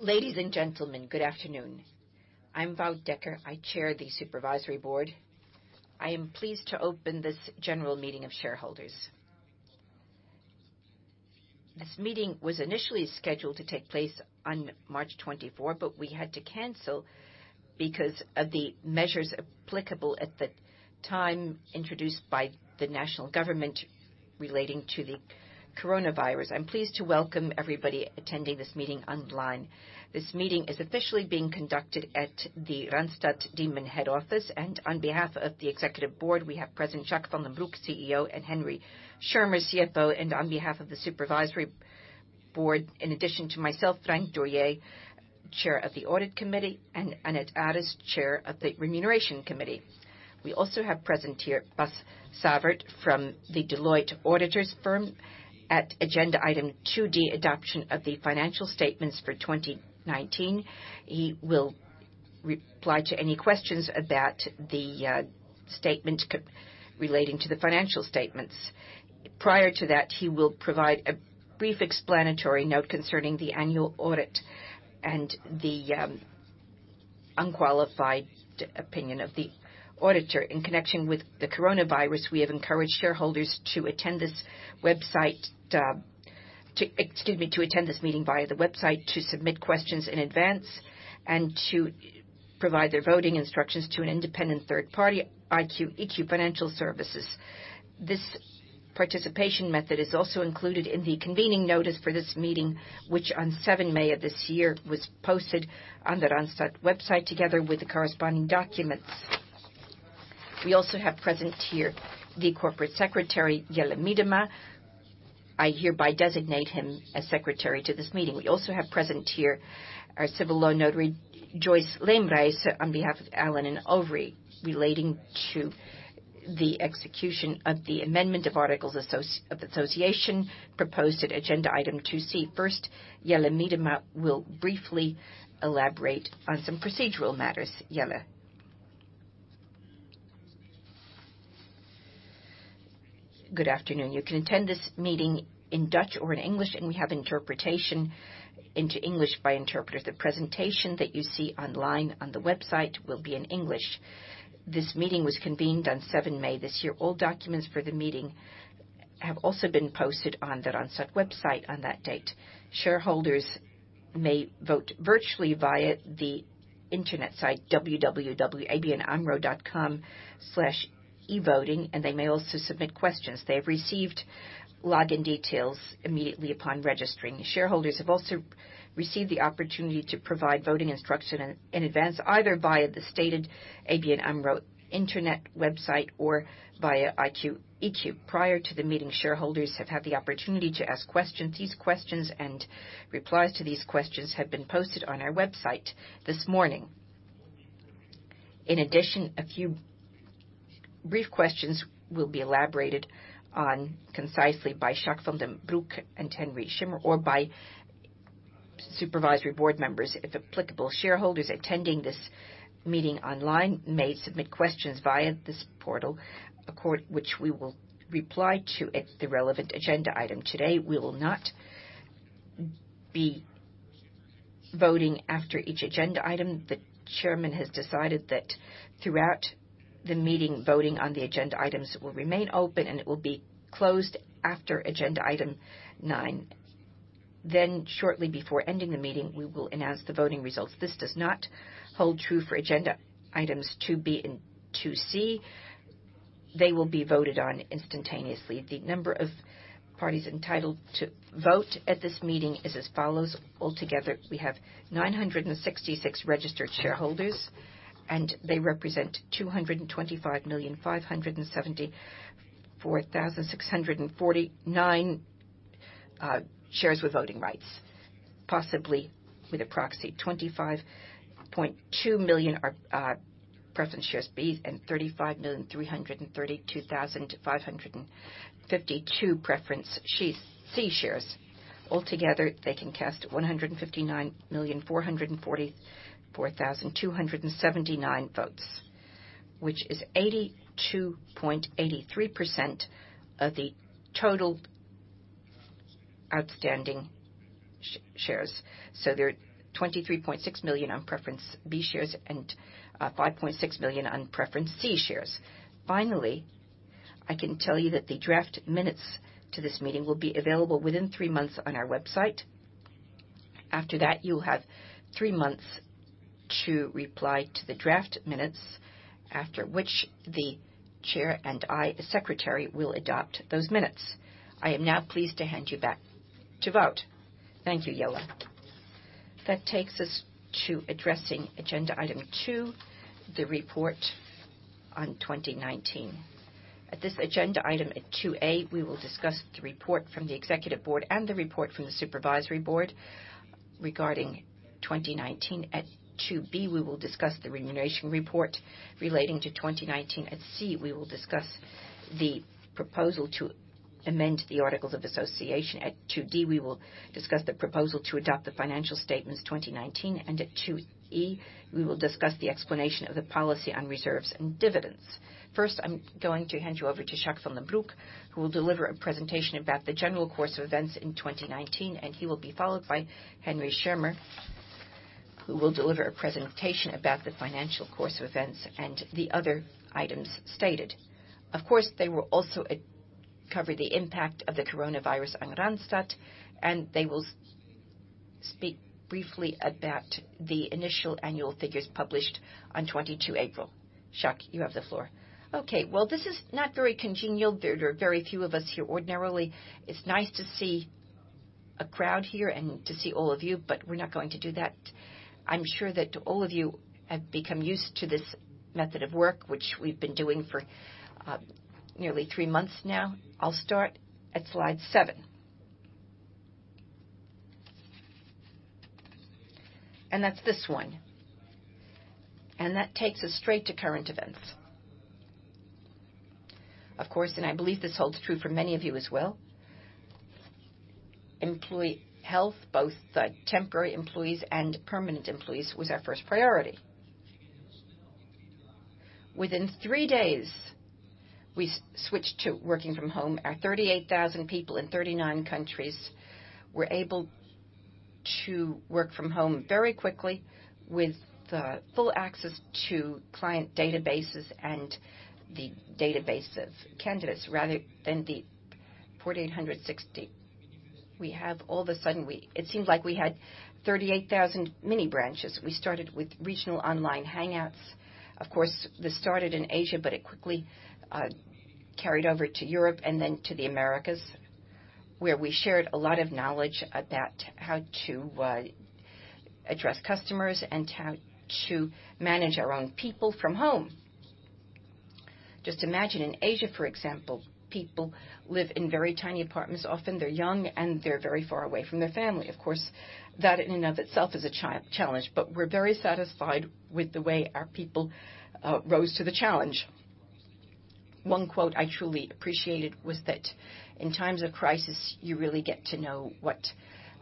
Ladies and gentlemen, good afternoon. I'm Wout Dekker, I Chair the Supervisory Board. I am pleased to open this general meeting of shareholders. This meeting was initially scheduled to take place on March 24th, but we had to cancel because of the measures applicable at that time, introduced by the national government relating to the coronavirus. I'm pleased to welcome everybody attending this meeting online. This meeting is officially being conducted at the Randstad Diemen head office. On behalf of the Executive Board, we have present Jacques van den Broek, CEO, and Henry Schirmer, CFO. On behalf of the Supervisory Board, in addition to myself, Frank Dorjee, Chair of the Audit Committee, and Annet Aris, Chair of the Remuneration Committee. We also have present here Bas Savert from the Deloitte auditors firm. At agenda item 2D, adoption of the financial statements for 2019, he will reply to any questions about the statement relating to the financial statements. Prior to that, he will provide a brief explanatory note concerning the annual audit and the unqualified opinion of the auditor. In connection with the coronavirus, we have encouraged shareholders to attend this meeting via the website, to submit questions in advance, and to provide their voting instructions to an independent third party, IQ EQ Financial Services. This participation method is also included in the convening notice for this meeting, which on seventh May of this year was posted on the Randstad website together with the corresponding documents. We also have present here the Company Secretary, Jelle Miedema. I hereby designate him as secretary to this meeting. We also have present here our civil law notary, Joyce Leemrijse, on behalf of Allen & Overy, relating to the execution of the amendment of articles of association, proposed at agenda item 2C. First, Jelle Miedema will briefly elaborate on some procedural matters. Jelle. Good afternoon. You can attend this meeting in Dutch or in English. We have interpretation into English by interpreters. The presentation that you see online on the website will be in English. This meeting was convened on seventh May this year. All documents for the meeting have also been posted on the Randstad website on that date. Shareholders may vote virtually via the internet site www.abnamro.com/evoting. They may also submit questions. They have received login details immediately upon registering. Shareholders have also received the opportunity to provide voting instruction in advance, either via the stated ABN AMRO internet website or via IQ-EQ. Prior to the meeting, shareholders have had the opportunity to ask questions. These questions and replies to these questions have been posted on our website this morning. In addition, a few brief questions will be elaborated on concisely by Jacques van den Broek and Henry Schirmer, or by supervisory board members if applicable. Shareholders attending this meeting online may submit questions via this portal, which we will reply to at the relevant agenda item today. We will not be voting after each agenda item. The chairman has decided that throughout the meeting, voting on the agenda items will remain open, and it will be closed after agenda item nine. Shortly before ending the meeting, we will announce the voting results. This does not hold true for agenda items 2B and 2C. They will be voted on instantaneously. The number of parties entitled to vote at this meeting is as follows. Altogether, we have 966 registered shareholders, and they represent 225,574,649 shares with voting rights, possibly with a proxy, 25.2 million are preference shares B, and 35,332,552 preference C shares. Altogether, they can cast 159,444,279 votes, which is 82.83% of the total outstanding shares. There are 23.6 million on preference B shares and 5.6 million on preference C shares. Finally, I can tell you that the draft minutes to this meeting will be available within three months on our website. After that, you'll have three months to reply to the draft minutes, after which the Chair and I as Secretary will adopt those minutes. I am now pleased to hand you back to Wout. Thank you, Jelle. That takes us to addressing agenda item two, the report on 2019. At this agenda item, at 2A, we will discuss the report from the executive board and the report from the supervisory board regarding 2019. At 2B, we will discuss the remuneration report relating to 2019. At C, we will discuss the proposal to amend the articles of association. At 2D, we will discuss the proposal to adopt the financial statements 2019, and at 2E, we will discuss the explanation of the policy on reserves and dividends. I'm going to hand you over to Jacques van den Broek, who will deliver a presentation about the general course of events in 2019, and he will be followed by Henry Schirmer, who will deliver a presentation about the financial course of events and the other items stated. Of course, they will also cover the impact of the coronavirus on Randstad, and they will speak briefly about the initial annual figures published on 22nd April. Jacques, you have the floor. Okay. Well, this is not very congenial. There are very few of us here. Ordinarily, it's nice to see a crowd here and to see all of you, but we're not going to do that. I'm sure that all of you have become used to this method of work, which we've been doing for nearly three months now. I'll start at slide seven. That's this one. That takes us straight to current events. Of course, and I believe this holds true for many of you as well, employee health, both the temporary employees and permanent employees, was our first priority. Within three days, we switched to working from home. Our 38,000 people in 39 countries were able to work from home very quickly with full access to client databases and the database of candidates rather than the 4,860. All of a sudden, it seems like we had 38,000 mini branches. We started with regional online hangouts. Of course, this started in Asia, but it quickly carried over to Europe and then to the Americas, where we shared a lot of knowledge about how to address customers and how to manage our own people from home. Just imagine in Asia, for example, people live in very tiny apartments. Often, they're young, and they're very far away from their family. Of course, that in and of itself is a challenge, but we're very satisfied with the way our people rose to the challenge. One quote I truly appreciated was that in times of crisis, you really get to know what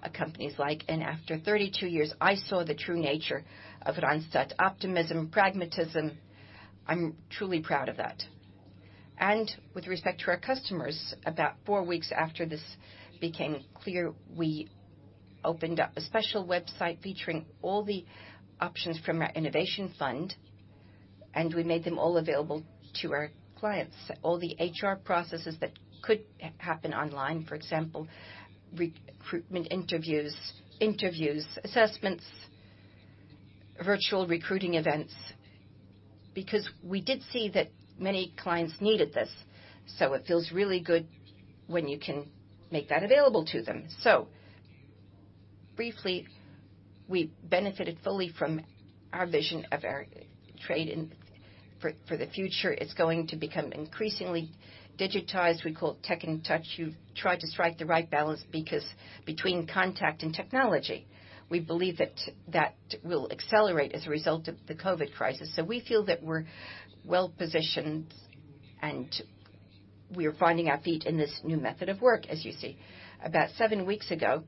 a company is like. After 32 years, I saw the true nature of Randstad. Optimism, pragmatism. I'm truly proud of that. With respect to our customers, about four weeks after this became clear, we opened up a special website featuring all the options from our innovation fund, and we made them all available to our clients. All the HR processes that could happen online, for example, recruitment interviews, assessments, virtual recruiting events, because we did see that many clients needed this, so it feels really good when you can make that available to them. Briefly, we benefited fully from our vision of our trade, and for the future, it's going to become increasingly digitized. We call it Tech and Touch. You try to strike the right balance between contact and technology. We believe that will accelerate as a result of the COVID crisis. We feel that we're well-positioned, and we are finding our feet in this new method of work, as you see. About seven weeks ago,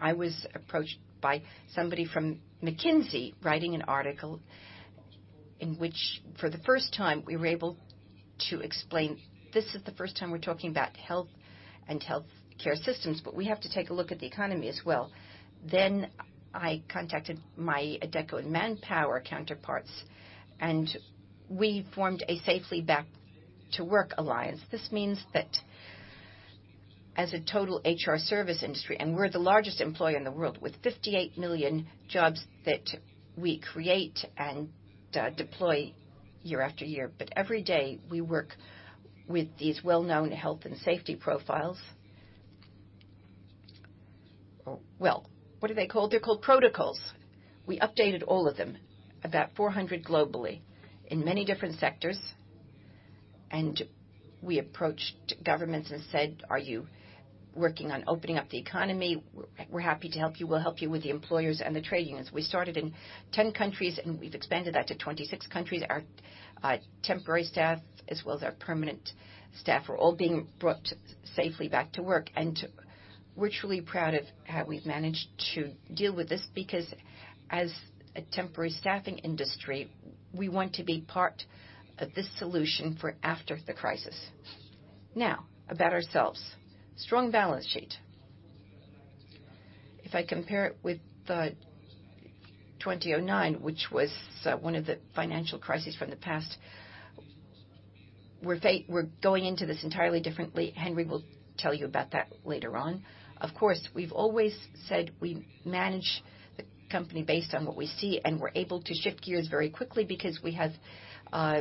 I was approached by somebody from McKinsey writing an article in which, for the first time, we were able to explain this is the first time we're talking about health and healthcare systems, we have to take a look at the economy as well. I contacted my Adecco and Manpower counterparts, and we formed a Safely Back to Work Alliance. This means that as a total HR service industry, we're the largest employer in the world with 58 million jobs that we create and deploy year after year. Every day, we work with these well-known health and safety profiles. Well, what are they called? They're called protocols. We updated all of them, about 400 globally in many different sectors, and we approached governments and said, are you working on opening up the economy? We're happy to help you. We'll help you with the employers and the trade unions. We started in 10 countries, and we've expanded that to 26 countries. Our temporary staff, as well as our permanent staff, are all being brought Safely Back to Work. We're truly proud of how we've managed to deal with this because, as a temporary staffing industry, we want to be part of the solution for after the crisis. About ourselves. Strong balance sheet. If I compare it with 2009, which was one of the financial crises from the past, we're going into this entirely differently. Henry will tell you about that later on. Of course, we've always said we manage the company based on what we see, and we're able to shift gears very quickly because we have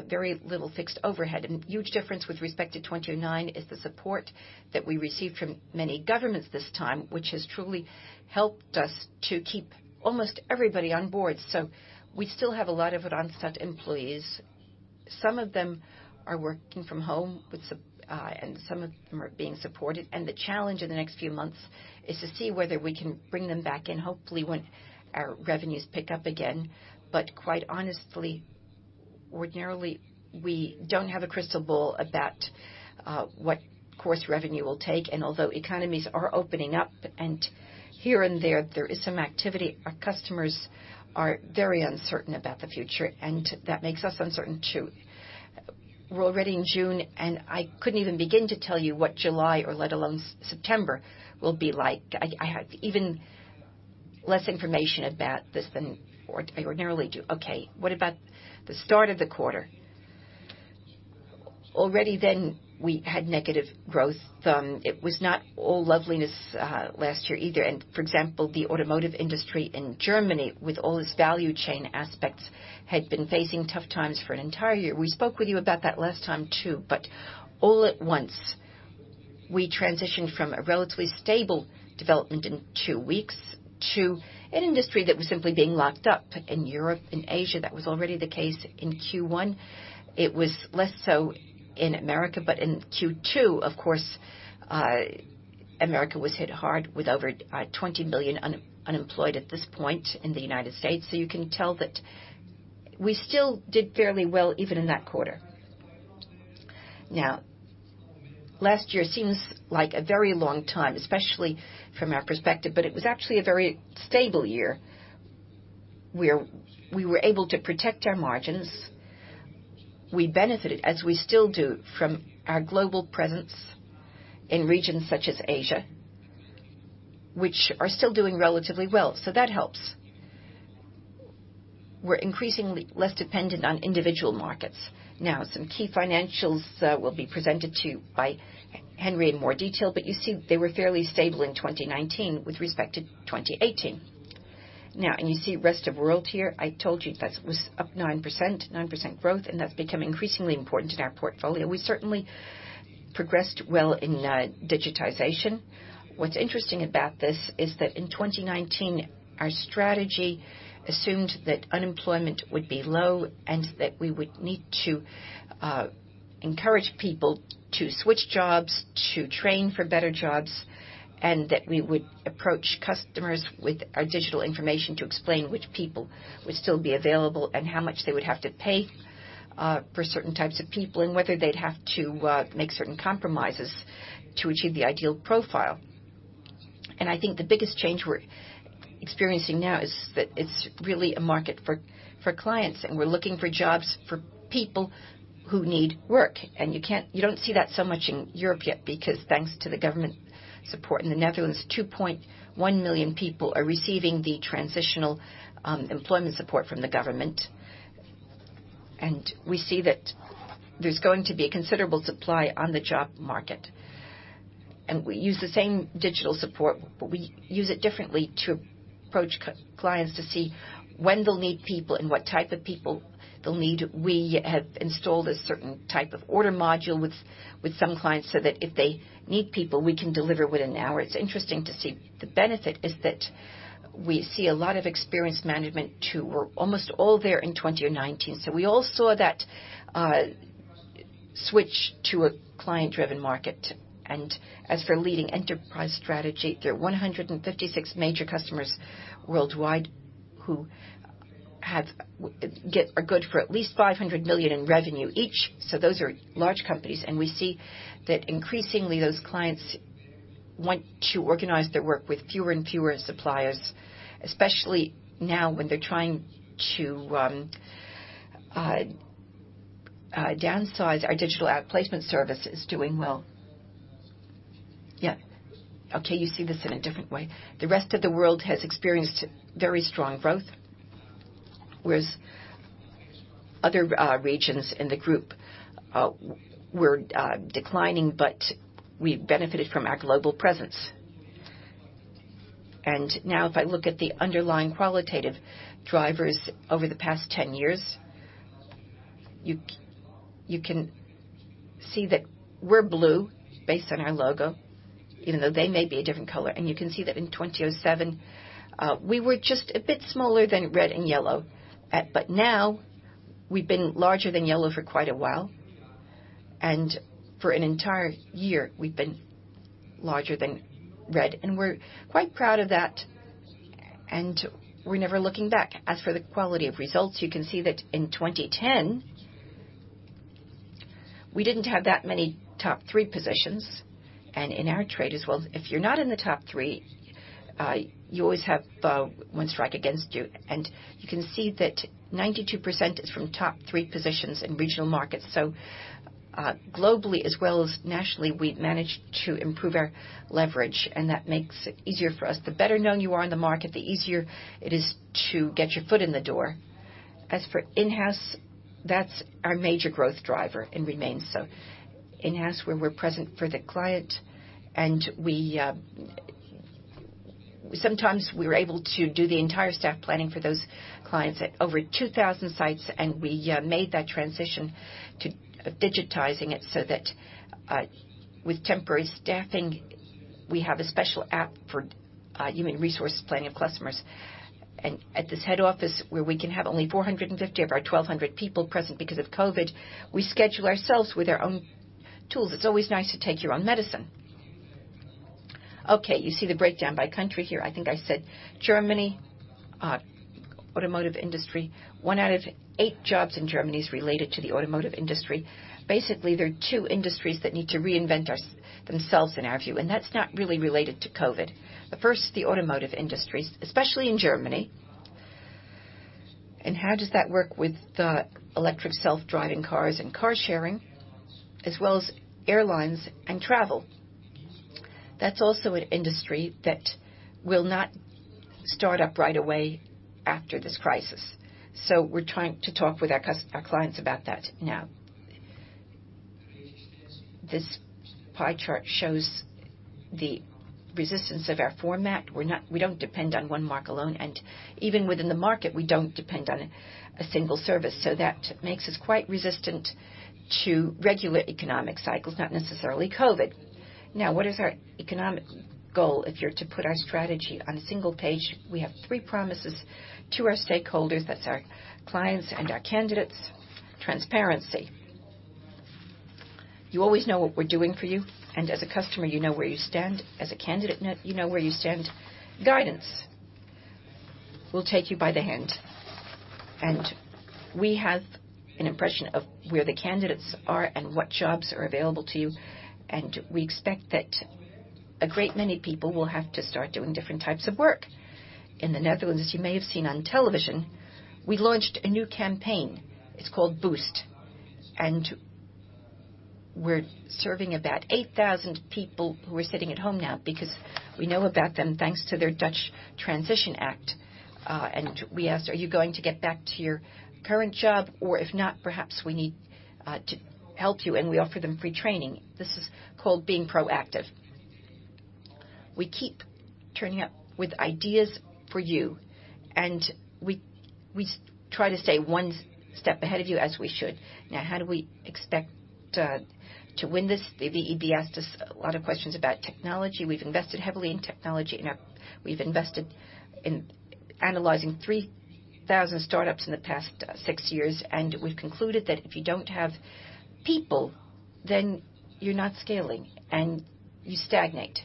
very little fixed overhead. Huge difference with respect to 2009 is the support that we received from many governments this time, which has truly helped us to keep almost everybody on board. We still have a lot of Randstad employees. Some of them are working from home, and some of them are being supported. The challenge in the next few months is to see whether we can bring them back in, hopefully when our revenues pick up again. Quite honestly, ordinarily, we don't have a crystal ball about what course revenue will take. Although economies are opening up and here and there is some activity, our customers are very uncertain about the future, and that makes us uncertain, too. We're already in June, and I couldn't even begin to tell you what July or let alone September will be like. I have even less information about this than I ordinarily do. What about the start of the quarter? Already then we had negative growth. It was not all loveliness last year either, and for example, the automotive industry in Germany, with all its value chain aspects, had been facing tough times for an entire year. We spoke with you about that last time, too. All at once, we transitioned from a relatively stable development in two weeks to an industry that was simply being locked up in Europe and Asia. That was already the case in Q1. It was less so in the U.S., but in Q2, of course, the U.S. was hit hard with over 20 million unemployed at this point in the U.S. You can tell that we still did fairly well, even in that quarter. Last year seems like a very long time, especially from our perspective, but it was actually a very stable year, we were able to protect our margins. We benefited, as we still do, from our global presence in regions such as Asia, which are still doing relatively well. That helps. We're increasingly less dependent on individual markets. Some key financials will be presented to you by Henry in more detail, but you see they were fairly stable in 2019 with respect to 2018. Now, you see rest of world here, I told you that was up 9% growth, and that's become increasingly important in our portfolio. We certainly progressed well in digitization. What's interesting about this is that in 2019, our strategy assumed that unemployment would be low and that we would need to encourage people to switch jobs, to train for better jobs, and that we would approach customers with our digital information to explain which people would still be available and how much they would have to pay for certain types of people, and whether they'd have to make certain compromises to achieve the ideal profile. I think the biggest change we're experiencing now is that it's really a market for clients, and we're looking for jobs for people who need work. You don't see that so much in Europe yet because thanks to the government support in the Netherlands, 2.1 million people are receiving the transitional employment support from the government. We see that there's going to be a considerable supply on the job market. We use the same digital support, but we use it differently to approach clients to see when they'll need people and what type of people they'll need. We have installed a certain type of order module with some clients so that if they need people, we can deliver within an hour. It's interesting to see the benefit is that we see a lot of experienced management too, were almost all there in 2019. We all saw that switch to a client-driven market. As for leading enterprise strategy, there are 156 major customers worldwide who are good for at least 500 million in revenue each. Those are large companies. We see that increasingly those clients want to organize their work with fewer and fewer suppliers, especially now when they're trying to downsize. Our digital ad placement service is doing well. You see this in a different way. The rest of the world has experienced very strong growth, whereas other regions in the group were declining, but we benefited from our global presence. Now if I look at the underlying qualitative drivers over the past 10 years, you can see that we're blue based on our logo, even though they may be a different color. You can see that in 2007, we were just a bit smaller than red and yellow. Now we've been larger than yellow for quite a while. For an entire year, we've been larger than red. We're quite proud of that, and we're never looking back. As for the quality of results, you can see that in 2010, we didn't have that many top three positions. In our trade as well, if you're not in the top three, you always have one strike against you. You can see that 92% is from top three positions in regional markets. Globally as well as nationally, we managed to improve our leverage, and that makes it easier for us. The better known you are in the market, the easier it is to get your foot in the door. As for in-house, that's our major growth driver and remains so. In-house, where we're present for the client, and sometimes we're able to do the entire staff planning for those clients at over 2,000 sites, and we made that transition to digitizing it so that with temporary staffing, we have a special app for human resource planning of customers. At this head office where we can have only 450 of our 1,200 people present because of COVID, we schedule ourselves with our own tools. It's always nice to take your own medicine. Okay, you see the breakdown by country here. I think I said Germany, automotive industry. One out of eight jobs in Germany is related to the automotive industry. Basically, there are two industries that need to reinvent themselves in our view, and that's not really related to COVID. The first, the automotive industries, especially in Germany. How does that work with the electric self-driving cars and car sharing, as well as airlines and travel? That's also an industry that will not start up right away after this crisis. We're trying to talk with our clients about that now. This pie chart shows the resistance of our format. We don't depend on one market alone, and even within the market, we don't depend on a single service. That makes us quite resistant to regular economic cycles, not necessarily COVID. Now, what is our economic goal? If you're to put our strategy on a single page, we have three promises to our stakeholders. That's our clients and our candidates. Transparency. You always know what we're doing for you. As a customer, you know where you stand. As a candidate, you know where you stand. Guidance. We'll take you by the hand. We have an impression of where the candidates are and what jobs are available to you, and we expect that a great many people will have to start doing different types of work. In the Netherlands, as you may have seen on television, we launched a new campaign. It's called Boost. We're serving about 8,000 people who are sitting at home now because we know about them thanks to their Dutch Transition Act. We asked, are you going to get back to your current job? If not, perhaps we need to help you. We offer them free training. This is called being proactive. We keep turning up with ideas for you, and we try to stay one step ahead of you as we should. How do we expect to win this? The VEB asked us a lot of questions about technology. We've invested heavily in technology, and we've invested in analyzing 3,000 startups in the past six years, and we've concluded that if you don't have people, then you're not scaling and you stagnate.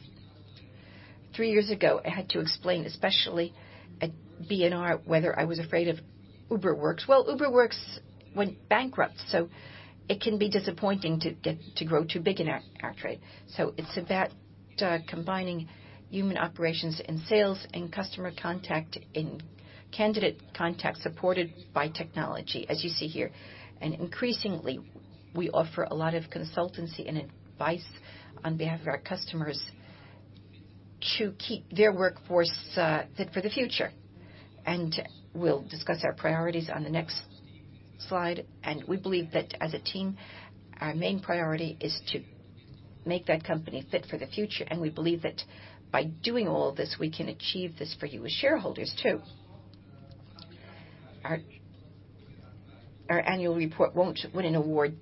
Three years ago, I had to explain, especially at BNR, whether I was afraid of Uber Works. Well, Uber Works went bankrupt, so it can be disappointing to grow too big in our trade. It's about combining human operations in sales and customer contact, in candidate contact, supported by technology, as you see here. Increasingly, we offer a lot of consultancy and advice on behalf of our customers to keep their workforce fit for the future. We'll discuss our priorities on the next slide. We believe that as a team, our main priority is to make that company fit for the future. We believe that by doing all this, we can achieve this for you as shareholders, too. Our annual report won't win an award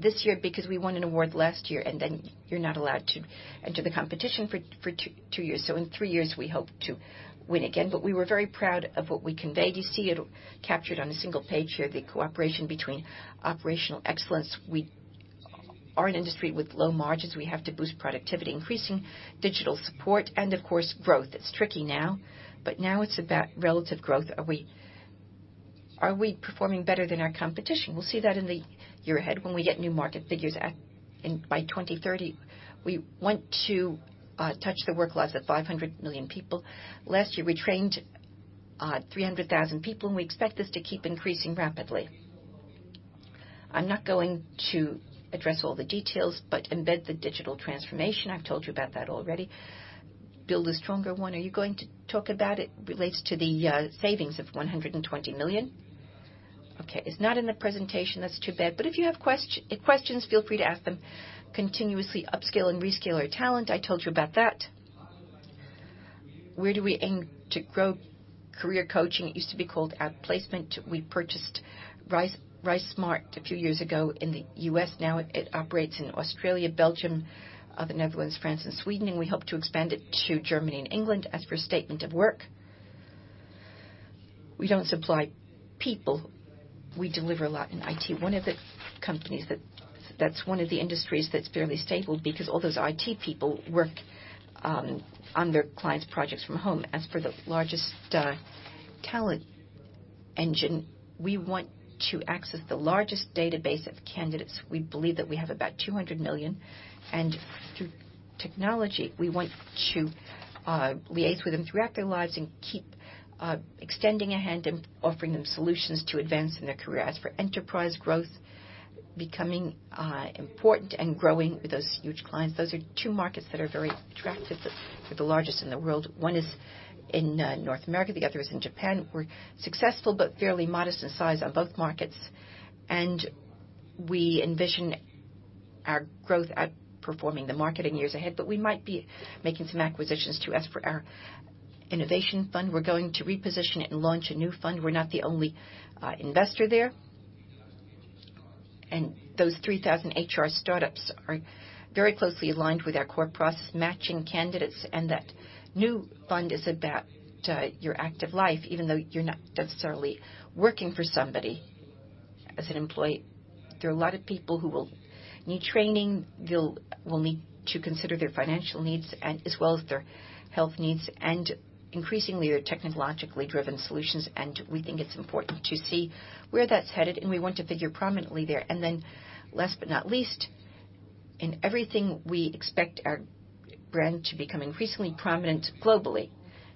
this year because we won an award last year, and then you're not allowed to enter the competition for two years. In three years, we hope to win again. We were very proud of what we conveyed. You see it captured on a single page here, the cooperation between operational excellence. We are an industry with low margins. We have to Boost productivity, increasing digital support, and of course, growth. It's tricky now, but now it's about relative growth. Are we performing better than our competition? We'll see that in the year ahead when we get new market figures by 2030. We want to touch the work lives of 500 million people. Last year, we trained 300,000 people. We expect this to keep increasing rapidly. I'm not going to address all the details, but embed the digital transformation. I've told you about that already. Build a stronger one. Are you going to talk about it relates to the savings of 120 million? Okay, it's not in the presentation. That's too bad. If you have questions, feel free to ask them. Continuously upscale and rescale our talent. I told you about that. Where do we aim to grow career coaching? It used to be called ad placement. We purchased RiseSmart a few years ago in the U.S. Now it operates in Australia, Belgium, the Netherlands, France, and Sweden, and we hope to expand it to Germany and England. As for statement of work, we don't supply people, we deliver a lot in IT. That's one of the industries that's fairly stable because all those IT people work on their clients' projects from home. As for the largest talent engine, we want to access the largest database of candidates. We believe that we have about 200 million, and through technology, we want to liaise with them throughout their lives and keep extending a hand and offering them solutions to advance in their career. As for enterprise growth, becoming important and growing with those huge clients, those are two markets that are very attractive. They're the largest in the world. One is in North America, the other is in Japan. We're successful but fairly modest in size on both markets. We envision our growth outperforming the market in years ahead. We might be making some acquisitions too. As for our innovation fund, we're going to reposition it and launch a new fund. We're not the only investor there. Those 3,000 HR startups are very closely aligned with our core process, matching candidates. That new fund is about your active life, even though you're not necessarily working for somebody as an employee. There are a lot of people who will need training. They will need to consider their financial needs as well as their health needs, and increasingly, their technologically driven solutions. We think it's important to see where that's headed, and we want to figure prominently there. Last but not least. In everything, we expect our brand to become increasingly prominent globally.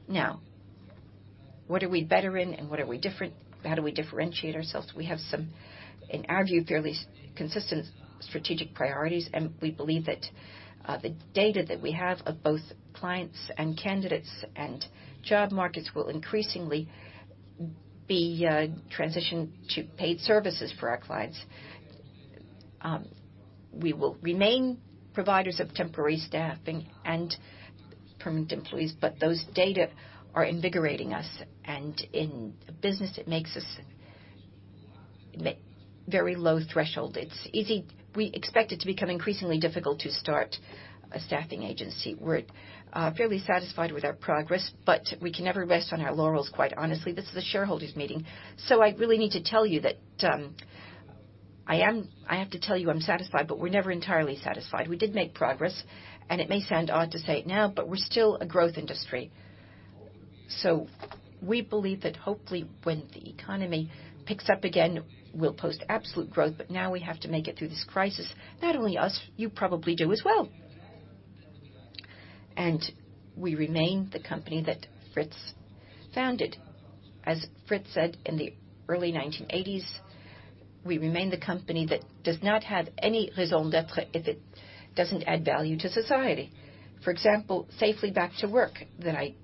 Now, what are we better in and how do we differentiate ourselves? We have some, in our view, fairly consistent strategic priorities, and we believe that the data that we have of both clients and candidates and job markets will increasingly be transitioned to paid services for our clients. We will remain providers of temporary staffing and permanent employees, but those data are invigorating us, and in business, it makes us very low threshold. We expect it to become increasingly difficult to start a staffing agency. We're fairly satisfied with our progress, but we can never rest on our laurels, quite honestly. This is a shareholders meeting, so I have to tell you I'm satisfied, but we're never entirely satisfied. We did make progress, and it may sound odd to say it now, but we're still a growth industry. We believe that hopefully when the economy picks up again, we'll post absolute growth. Now we have to make it through this crisis. Not only us, you probably do as well. We remain the company that Frits founded. As Frits said in the early 1980s, we remain the company that does not have any raison d'être if it doesn't add value to society. For example, Safely Back to Work, that I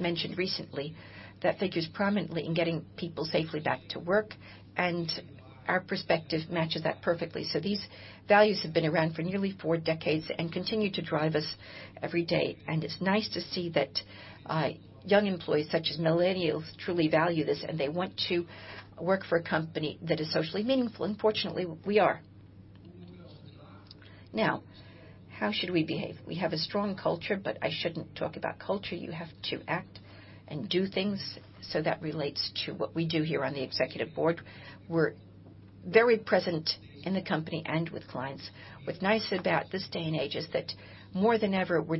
mentioned recently, that figures prominently in getting people safely back to work, and our perspective matches that perfectly. These values have been around for nearly four decades and continue to drive us every day. It's nice to see that young employees, such as millennials, truly value this, and they want to work for a company that is socially meaningful. Fortunately, we are. Now, how should we behave? We have a strong culture, but I shouldn't talk about culture. You have to act and do things. That relates to what we do here on the Executive Board. We're very present in the company and with clients. What's nice about this day and age is that more than ever, we're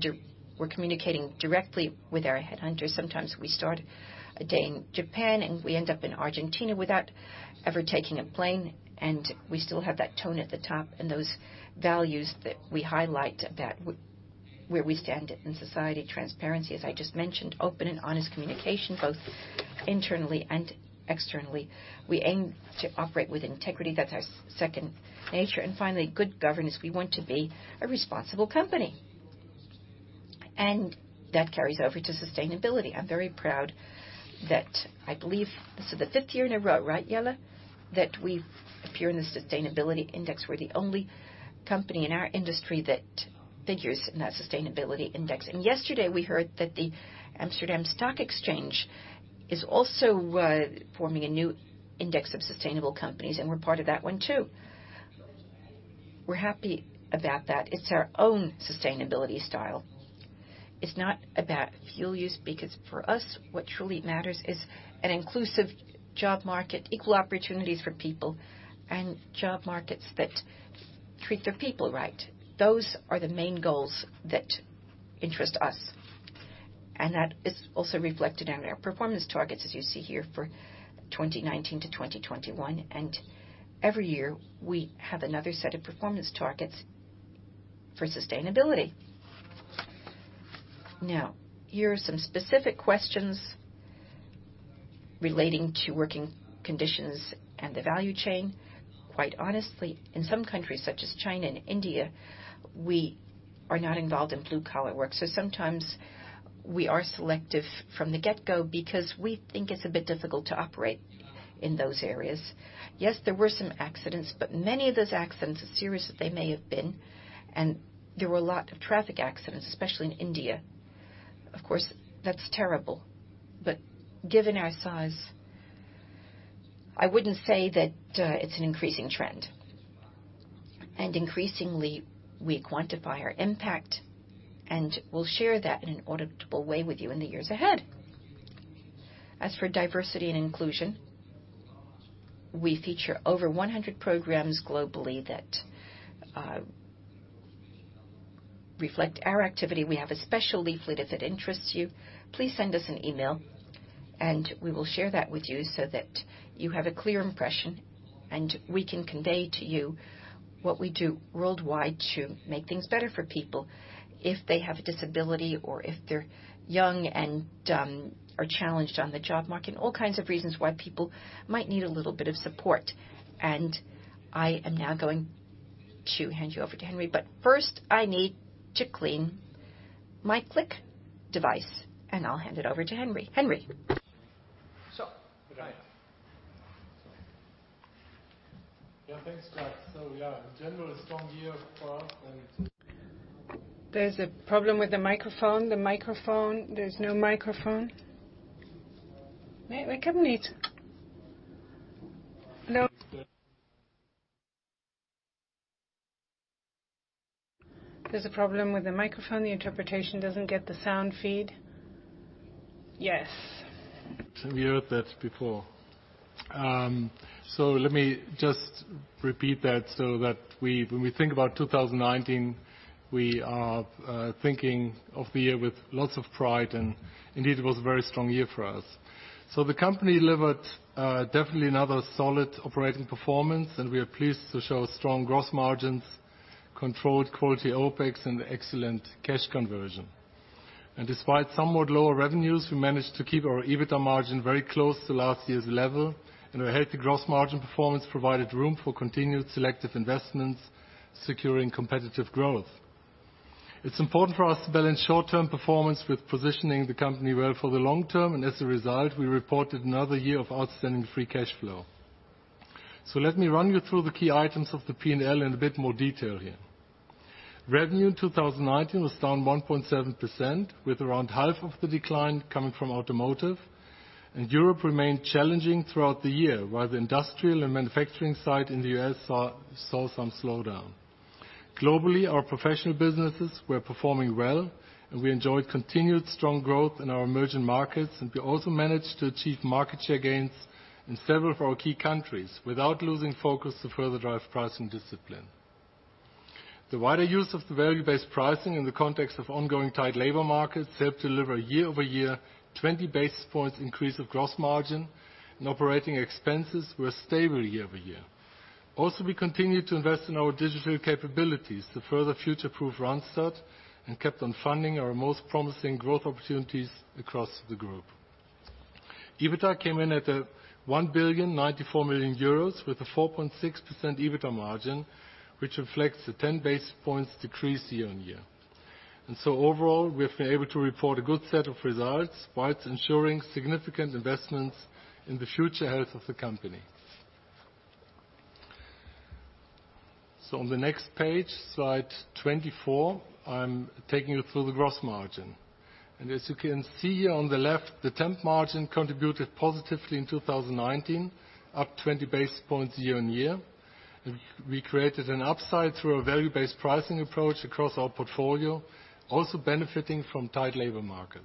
communicating directly with our headhunters. Sometimes we start a day in Japan, and we end up in Argentina without ever taking a plane, and we still have that tone at the top and those values that we highlight that where we stand in society. Transparency, as I just mentioned, open and honest communication, both internally and externally. We aim to operate with integrity. That's our second nature. Finally, good governance. We want to be a responsible company. That carries over to sustainability. I'm very proud that I believe this is the fifth year in a row, right, Jelle? That we appear in the sustainability index. We're the only company in our industry that figures in that sustainability index. Yesterday we heard that the Amsterdam Stock Exchange is also forming a new index of sustainable companies, and we're part of that one, too. We're happy about that. It's our own sustainability style. It's not about fuel use, because for us, what truly matters is an inclusive job market, equal opportunities for people, and job markets that treat their people right. Those are the main goals that interest us. That is also reflected in our performance targets, as you see here, for 2019-2021. Every year, we have another set of performance targets for sustainability. Now, here are some specific questions relating to working conditions and the value chain. Quite honestly, in some countries, such as China and India, we are not involved in blue-collar work. Sometimes we are selective from the get-go because we think it's a bit difficult to operate in those areas. Yes, there were some accidents, but many of those accidents, as serious as they may have been, and there were a lot of traffic accidents, especially in India. Of course, that's terrible. Given our size, I wouldn't say that it's an increasing trend. Increasingly, we quantify our impact, and we'll share that in an auditable way with you in the years ahead. As for diversity and inclusion, we feature over 100 programs globally that reflect our activity. We have a special leaflet. If it interests you, please send us an email, and we will share that with you so that you have a clear impression, and we can convey to you what we do worldwide to make things better for people if they have a disability or if they're young and are challenged on the job market. All kinds of reasons why people might need a little bit of support. I am now going to hand you over to Henry. First, I need to clean my click device, and I'll hand it over to Henry. Henry. Right. Yeah, thanks, Jacques. Yeah, in general, a strong year for us. There's a problem with the microphone. There's no microphone. No. There's a problem with the microphone. The interpretation doesn't get the sound feed. Yes. We heard that before. Let me just repeat that so that when we think about 2019, we are thinking of the year with lots of pride, and indeed, it was a very strong year for us. The company delivered definitely another solid operating performance, and we are pleased to show strong gross margins, controlled quality OpEx, and excellent cash conversion. Despite somewhat lower revenues, we managed to keep our EBITDA margin very close to last year's level, and our healthy gross margin performance provided room for continued selective investments, securing competitive growth. It's important for us to balance short-term performance with positioning the company well for the long term. As a result, we reported another year of outstanding free cash flow. Let me run you through the key items of the P&L in a bit more detail here. Revenue in 2019 was down 1.7%, with around half of the decline coming from automotive. Europe remained challenging throughout the year, while the industrial and manufacturing side in the U.S. saw some slowdown. Globally, our professional businesses were performing well, we enjoyed continued strong growth in our emerging markets. We also managed to achieve market share gains in several of our key countries without losing focus to further drive pricing discipline. The wider use of the value-based pricing in the context of ongoing tight labor markets helped deliver year-over-year 20 basis points increase of gross margin, operating expenses were stable year-over-year. Also, we continued to invest in our digital capabilities to further future-proof Randstad and kept on funding our most promising growth opportunities across the group. EBITDA came in at 1,094,000,000 euros with a 4.6% EBITDA margin, which reflects the 10 basis points decrease year-on-year. Overall, we have been able to report a good set of results whilst ensuring significant investments in the future health of the company. On the next page, slide 24, I'm taking you through the gross margin. As you can see here on the left, the temp margin contributed positively in 2019, up 20 basis points year-on-year. We created an upside through a value-based pricing approach across our portfolio, also benefiting from tight labor markets.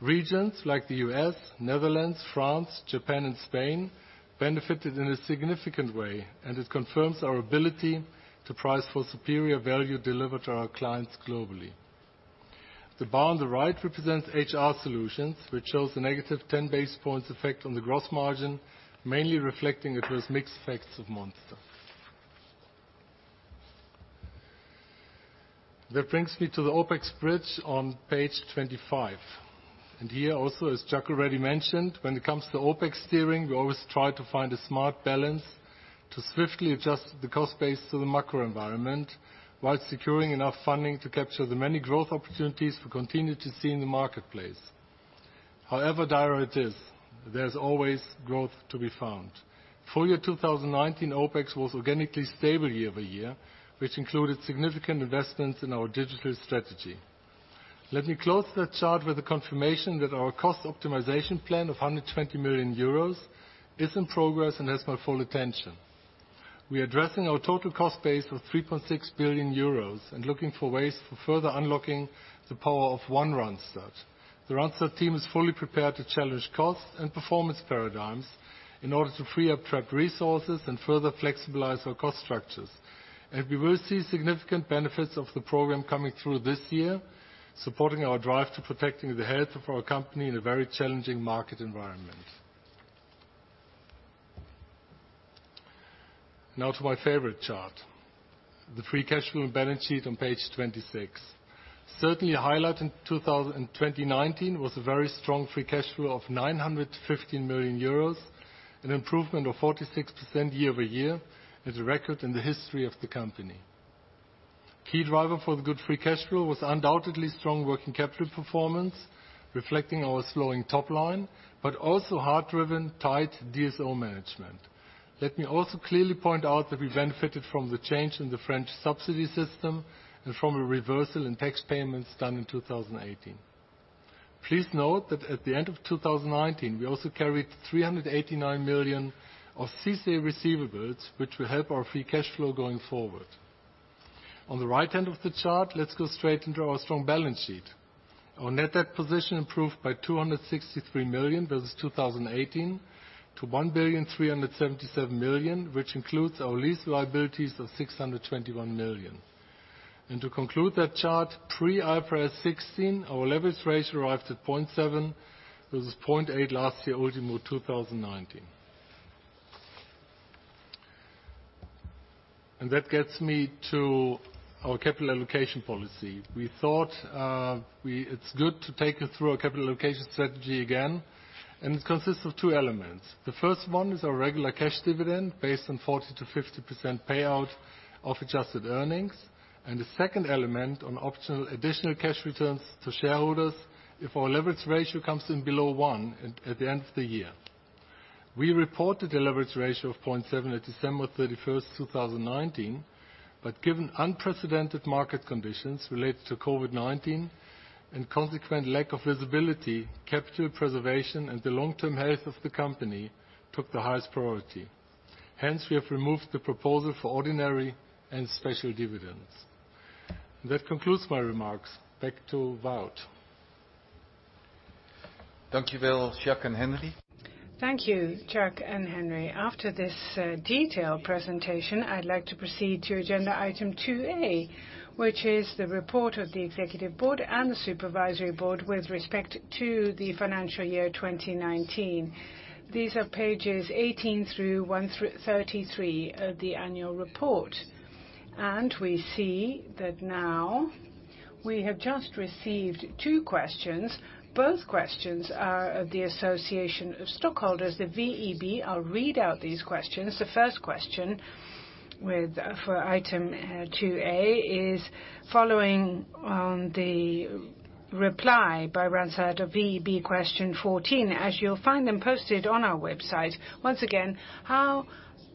Regions like the U.S., Netherlands, France, Japan, and Spain benefited in a significant way, and it confirms our ability to price for superior value delivered to our clients globally. The bar on the right represents HR solutions, which shows -10 basis points effect on the gross margin, mainly reflecting adverse mix effects of Monster. That brings me to the OpEx bridge on page 25. Here also, as Jacques already mentioned, when it comes to OpEx steering, we always try to find a smart balance to swiftly adjust the cost base to the macro environment while securing enough funding to capture the many growth opportunities we continue to see in the marketplace. However dire it is, there's always growth to be found. Full year 2019 OpEx was organically stable year-over-year, which included significant investments in our digital strategy. Let me close that chart with the confirmation that our cost optimization plan of 120 million euros is in progress and has my full attention. We are addressing our total cost base of 3.6 billion euros and looking for ways for further unlocking the power of One Randstad. The Randstad team is fully prepared to challenge costs and performance paradigms in order to free up trapped resources and further flexibilize our cost structures. We will see significant benefits of the program coming through this year, supporting our drive to protecting the health of our company in a very challenging market environment. Now to my favorite chart, the free cash flow and balance sheet on page 26. Certainly a highlight in 2019 was a very strong free cash flow of 915 million euros, an improvement of 46% year-over-year, is a record in the history of the company. Key driver for the good free cash flow was undoubtedly strong working capital performance, reflecting our slowing top line, but also hard-driven, tight DSO management. Let me also clearly point out that we benefited from the change in the French subsidy system and from a reversal in tax payments done in 2018. Please note that at the end of 2019, we also carried 389 million of CICE receivables, which will help our free cash flow going forward. On the right hand of the chart, let's go straight into our strong balance sheet. Our net debt position improved by 263 million versus 2018 to 1,377,000,000, which includes our lease liabilities of 621 million. To conclude that chart, pre IFRS 16, our leverage ratio arrives at 0.7 versus 0.8 last year ultimo 2019. That gets me to our capital allocation policy. We thought it's good to take you through our capital allocation strategy again, and it consists of two elements. The first one is our regular cash dividend based on 40%-50% payout of adjusted earnings, and the second element on optional additional cash returns to shareholders if our leverage ratio comes in below one at the end of the year. We reported a leverage ratio of 0.7 at December 31st, 2019. Given unprecedented market conditions related to COVID-19 and consequent lack of visibility, capital preservation, and the long-term health of the company took the highest priority. Hence, we have removed the proposal for ordinary and special dividends. That concludes my remarks. Back to Wout. Thank you, Jacques and Henry. After this detailed presentation, I'd like to proceed to agenda item 2A, which is the report of the executive board and the supervisory board with respect to the financial year 2019. These are pages 18 through 133 of the annual report. We have just received two questions. Both questions are of the Association of Stockholders, the VEB. I'll read out these questions. The first question for item 2A is following on the reply by Randstad of VEB question 14, as you'll find them posted on our website. Once again, how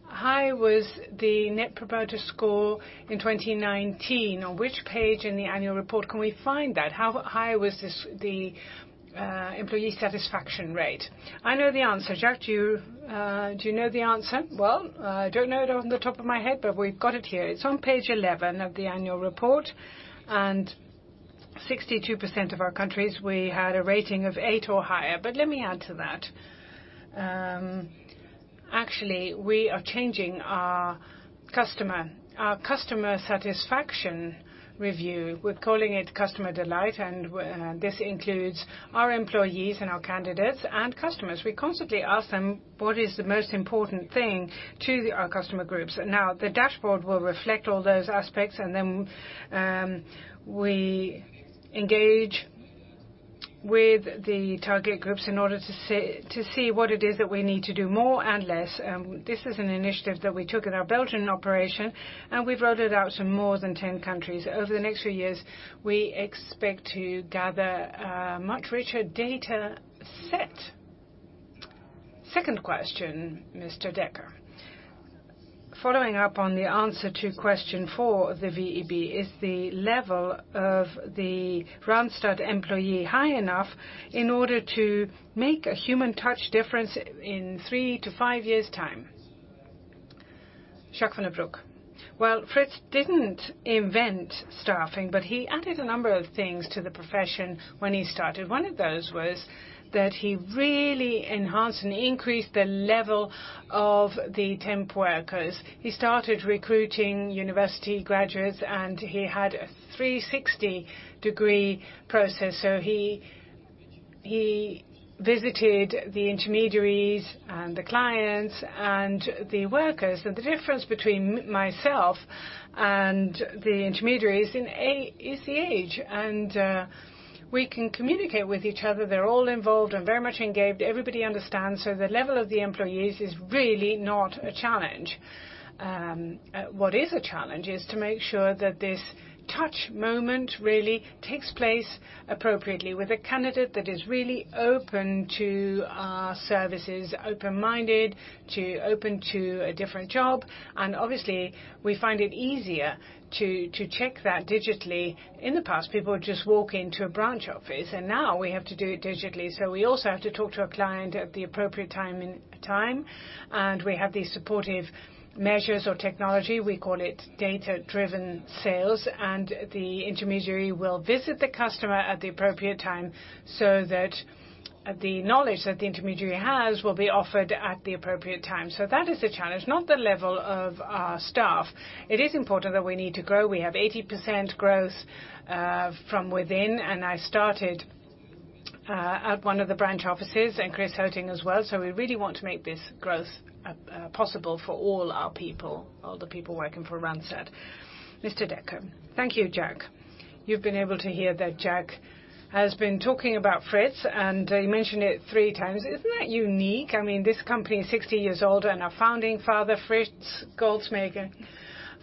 high was the Net Promoter Score in 2019? On which page in the annual report can we find that? How high was the employee satisfaction rate? I know the answer. Jacques, do you know the answer? Well, I don't know it on the top of my head. We've got it here. It's on page 11 of the annual report. 62% of our countries, we had a rating of eight or higher. Let me add to that. Actually, we are changing our customer satisfaction review. We're calling it Customer Delight. This includes our employees and our candidates and customers. We constantly ask them, what is the most important thing to our customer groups? Now, the dashboard will reflect all those aspects. Then we engage with the target groups in order to see what it is that we need to do more and less. This is an initiative that we took at our Belgian operation. We've rolled it out to more than 10 countries. Over the next few years, we expect to gather a much richer data set. Second question, Mr. Dekker. Following up on the answer to question four of the VEB, is the level of the Randstad employee high enough in order to make a human touch difference in three to five years' time? Jacques van den Broek. Well, Frits didn't invent staffing, but he added a number of things to the profession when he started. One of those was that he really enhanced and increased the level of the temp workers. He started recruiting university graduates, and he had a 360-degree process. He visited the intermediaries and the clients and the workers. The difference between myself and the intermediaries is the age. We can communicate with each other. They're all involved and very much engaged. Everybody understands. The level of the employees is really not a challenge. What is a challenge is to make sure that this touch moment really takes place appropriately with a candidate that is really open to our services, open-minded, open to a different job. Obviously, we find it easier to check that digitally. In the past, people would just walk into a branch office, and now we have to do it digitally. We also have to talk to a client at the appropriate time, and we have these supportive measures or technology. We call it data-driven sales. The intermediary will visit the customer at the appropriate time so that the knowledge that the intermediary has will be offered at the appropriate time. That is a challenge, not the level of our staff. It is important that we need to grow. We have 80% growth from within, and I started at one of the branch offices, and Chris Heutink as well. We really want to make this growth possible for all our people, all the people working for Randstad. Mr. Dekker. Thank you, Jacques. You've been able to hear that Jacques has been talking about Frits, and he mentioned it three times. Isn't that unique? This company is 60 years old, and our founding father, Frits Goldschmeding,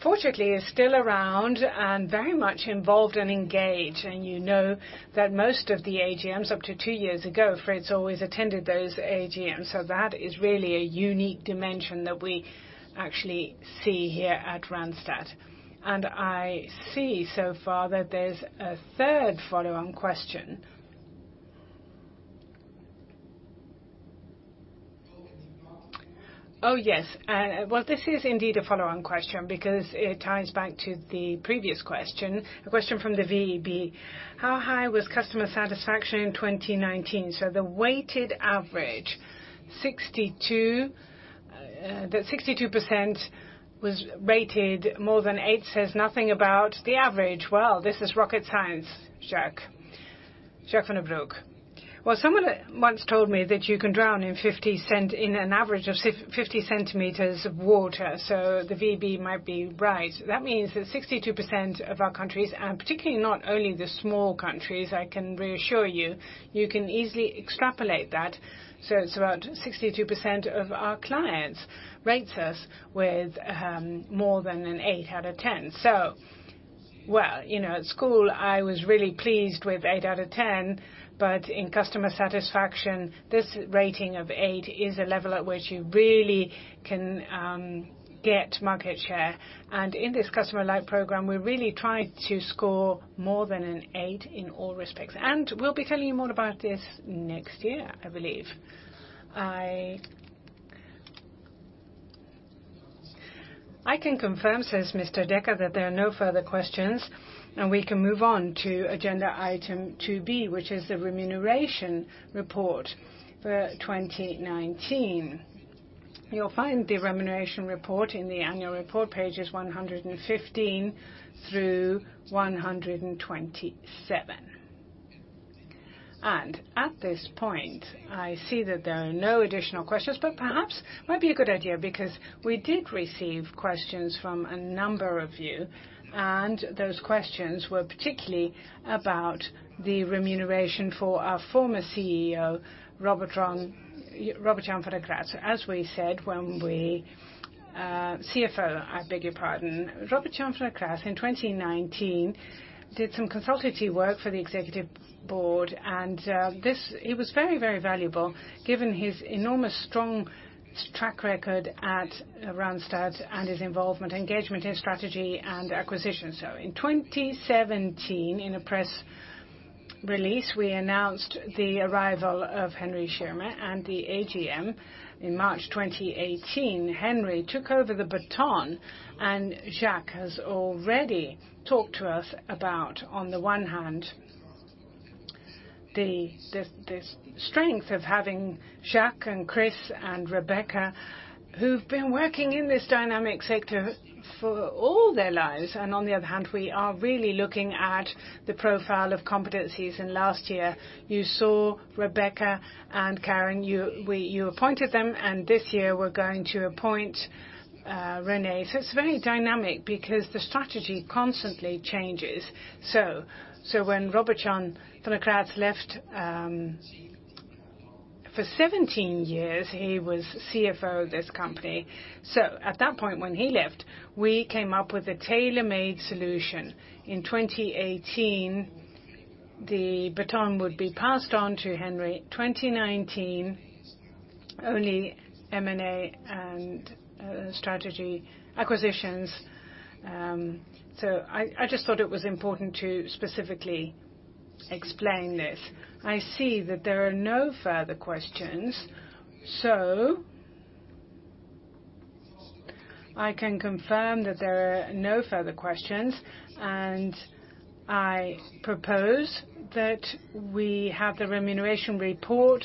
fortunately, is still around and very much involved and engaged. You know that most of the AGMs up to two years ago, Frits always attended those AGMs. That is really a unique dimension that we actually see here at Randstad. I see so far that there's a third follow-on question. Oh, yes. Well, this is indeed a follow-on question because it ties back to the previous question, the question from the VEB. How high was customer satisfaction in 2019? The weighted average, 62% was rated more than eight, says nothing about the average. Well, this is rocket science, Jacques. Jacques van den Broek. Well, someone once told me that you can drown in an average of 50 centimeters of water, so the VEB might be right. That means that 62% of our countries, and particularly not only the small countries, I can reassure you can easily extrapolate that. It's about 62% of our clients rate us with more than an eight out of 10. Well, at school, I was really pleased with eight out of 10, but in customer satisfaction, this rating of eight is a level at which you really can get market share. In this Customer Delight program, we really try to score more than an eight in all respects. We'll be telling you more about this next year, I believe. I can confirm, says Mr. Dekker, that there are no further questions, and we can move on to agenda item 2B, which is the remuneration report for 2019. You'll find the remuneration report in the annual report, pages 115 through 127. At this point, I see that there are no additional questions, but perhaps might be a good idea because we did receive questions from a number of you, and those questions were particularly about the remuneration for our former CFO, Robert Jan van de Kraats. CFO, I beg your pardon. Robert Jan van de Kraats, in 2019, did some consultancy work for the Executive Board. He was very valuable given his enormously strong track record at Randstad and his involvement, engagement in strategy and acquisition. In 2017, in a press release, we announced the arrival of Henry Schirmer. The AGM in March 2018, Henry took over the baton. Jacques has already talked to us about, on the one hand, the strength of having Jacques and Chris and Rebecca, who've been working in this dynamic sector for all their lives. On the other hand, we are really looking at the profile of competencies. Last year you saw Rebecca and Karen, you appointed them. This year we're going to appoint René. It's very dynamic because the strategy constantly changes. When Robert Jan van de Kraats left, for 17 years, he was CFO of this company. At that point when he left, we came up with a tailor-made solution. In 2018, the baton would be passed on to Henry. 2019, only M&A and strategy acquisitions. I just thought it was important to specifically explain this. I see that there are no further questions. I can confirm that there are no further questions, and I propose that we have the remuneration report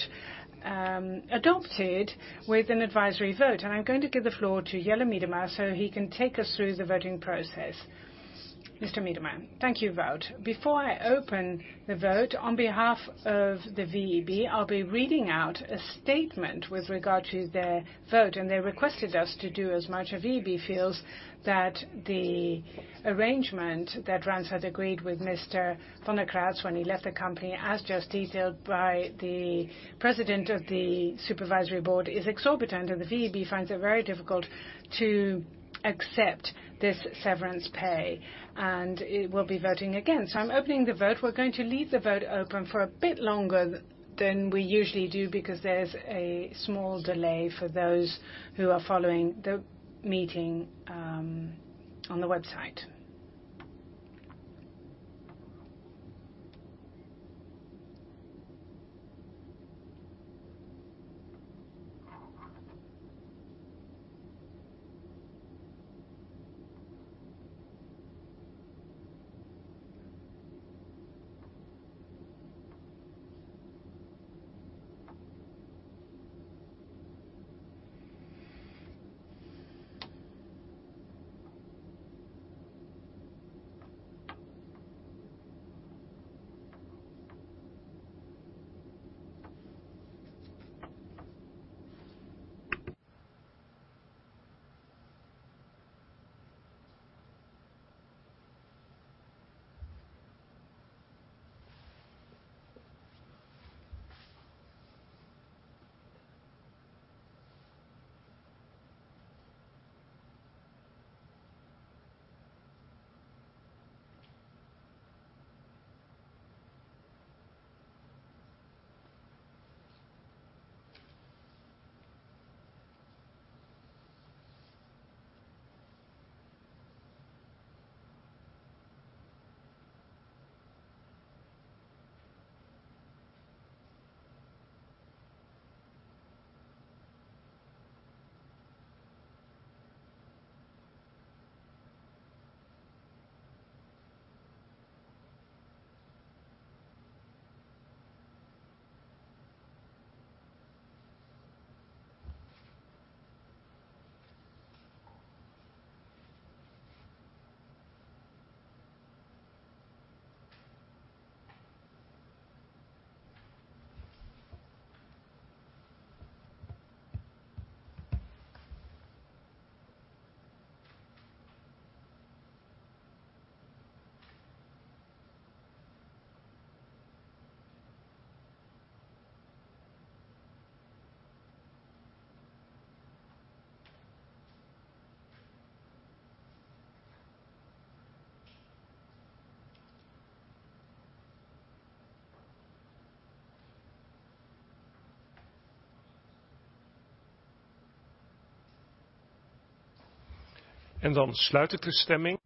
adopted with an advisory vote. I'm going to give the floor to Jelle Miedema so he can take us through the voting process. Mr. Miedema. Thank you, Wout. Before I open the vote, on behalf of the VEB, I'll be reading out a statement with regard to their vote, and they requested us to do as much. VEB feels that the arrangement that Randstad agreed with Mr. van de Kraats when he left the company, as just detailed by the president of the supervisory board, is exorbitant. The VEB finds it very difficult to accept this severance pay. It will be voting against. I'm opening the vote. We're going to leave the vote open for a bit longer than we usually do because there's a small delay for those who are following the meeting on the website. The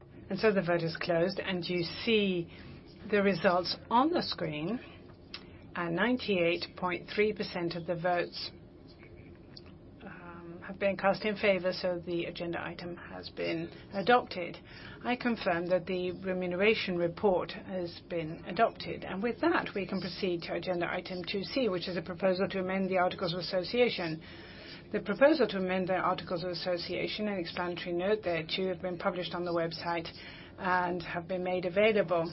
vote is closed, and you see the results on the screen. 98.3% of the votes have been cast in favor, so the agenda item has been adopted. I confirm that the remuneration report has been adopted. With that, we can proceed to agenda item 2C, which is a proposal to amend the articles of association. The proposal to amend the articles of association and explanatory note thereto have been published on the website and have been made available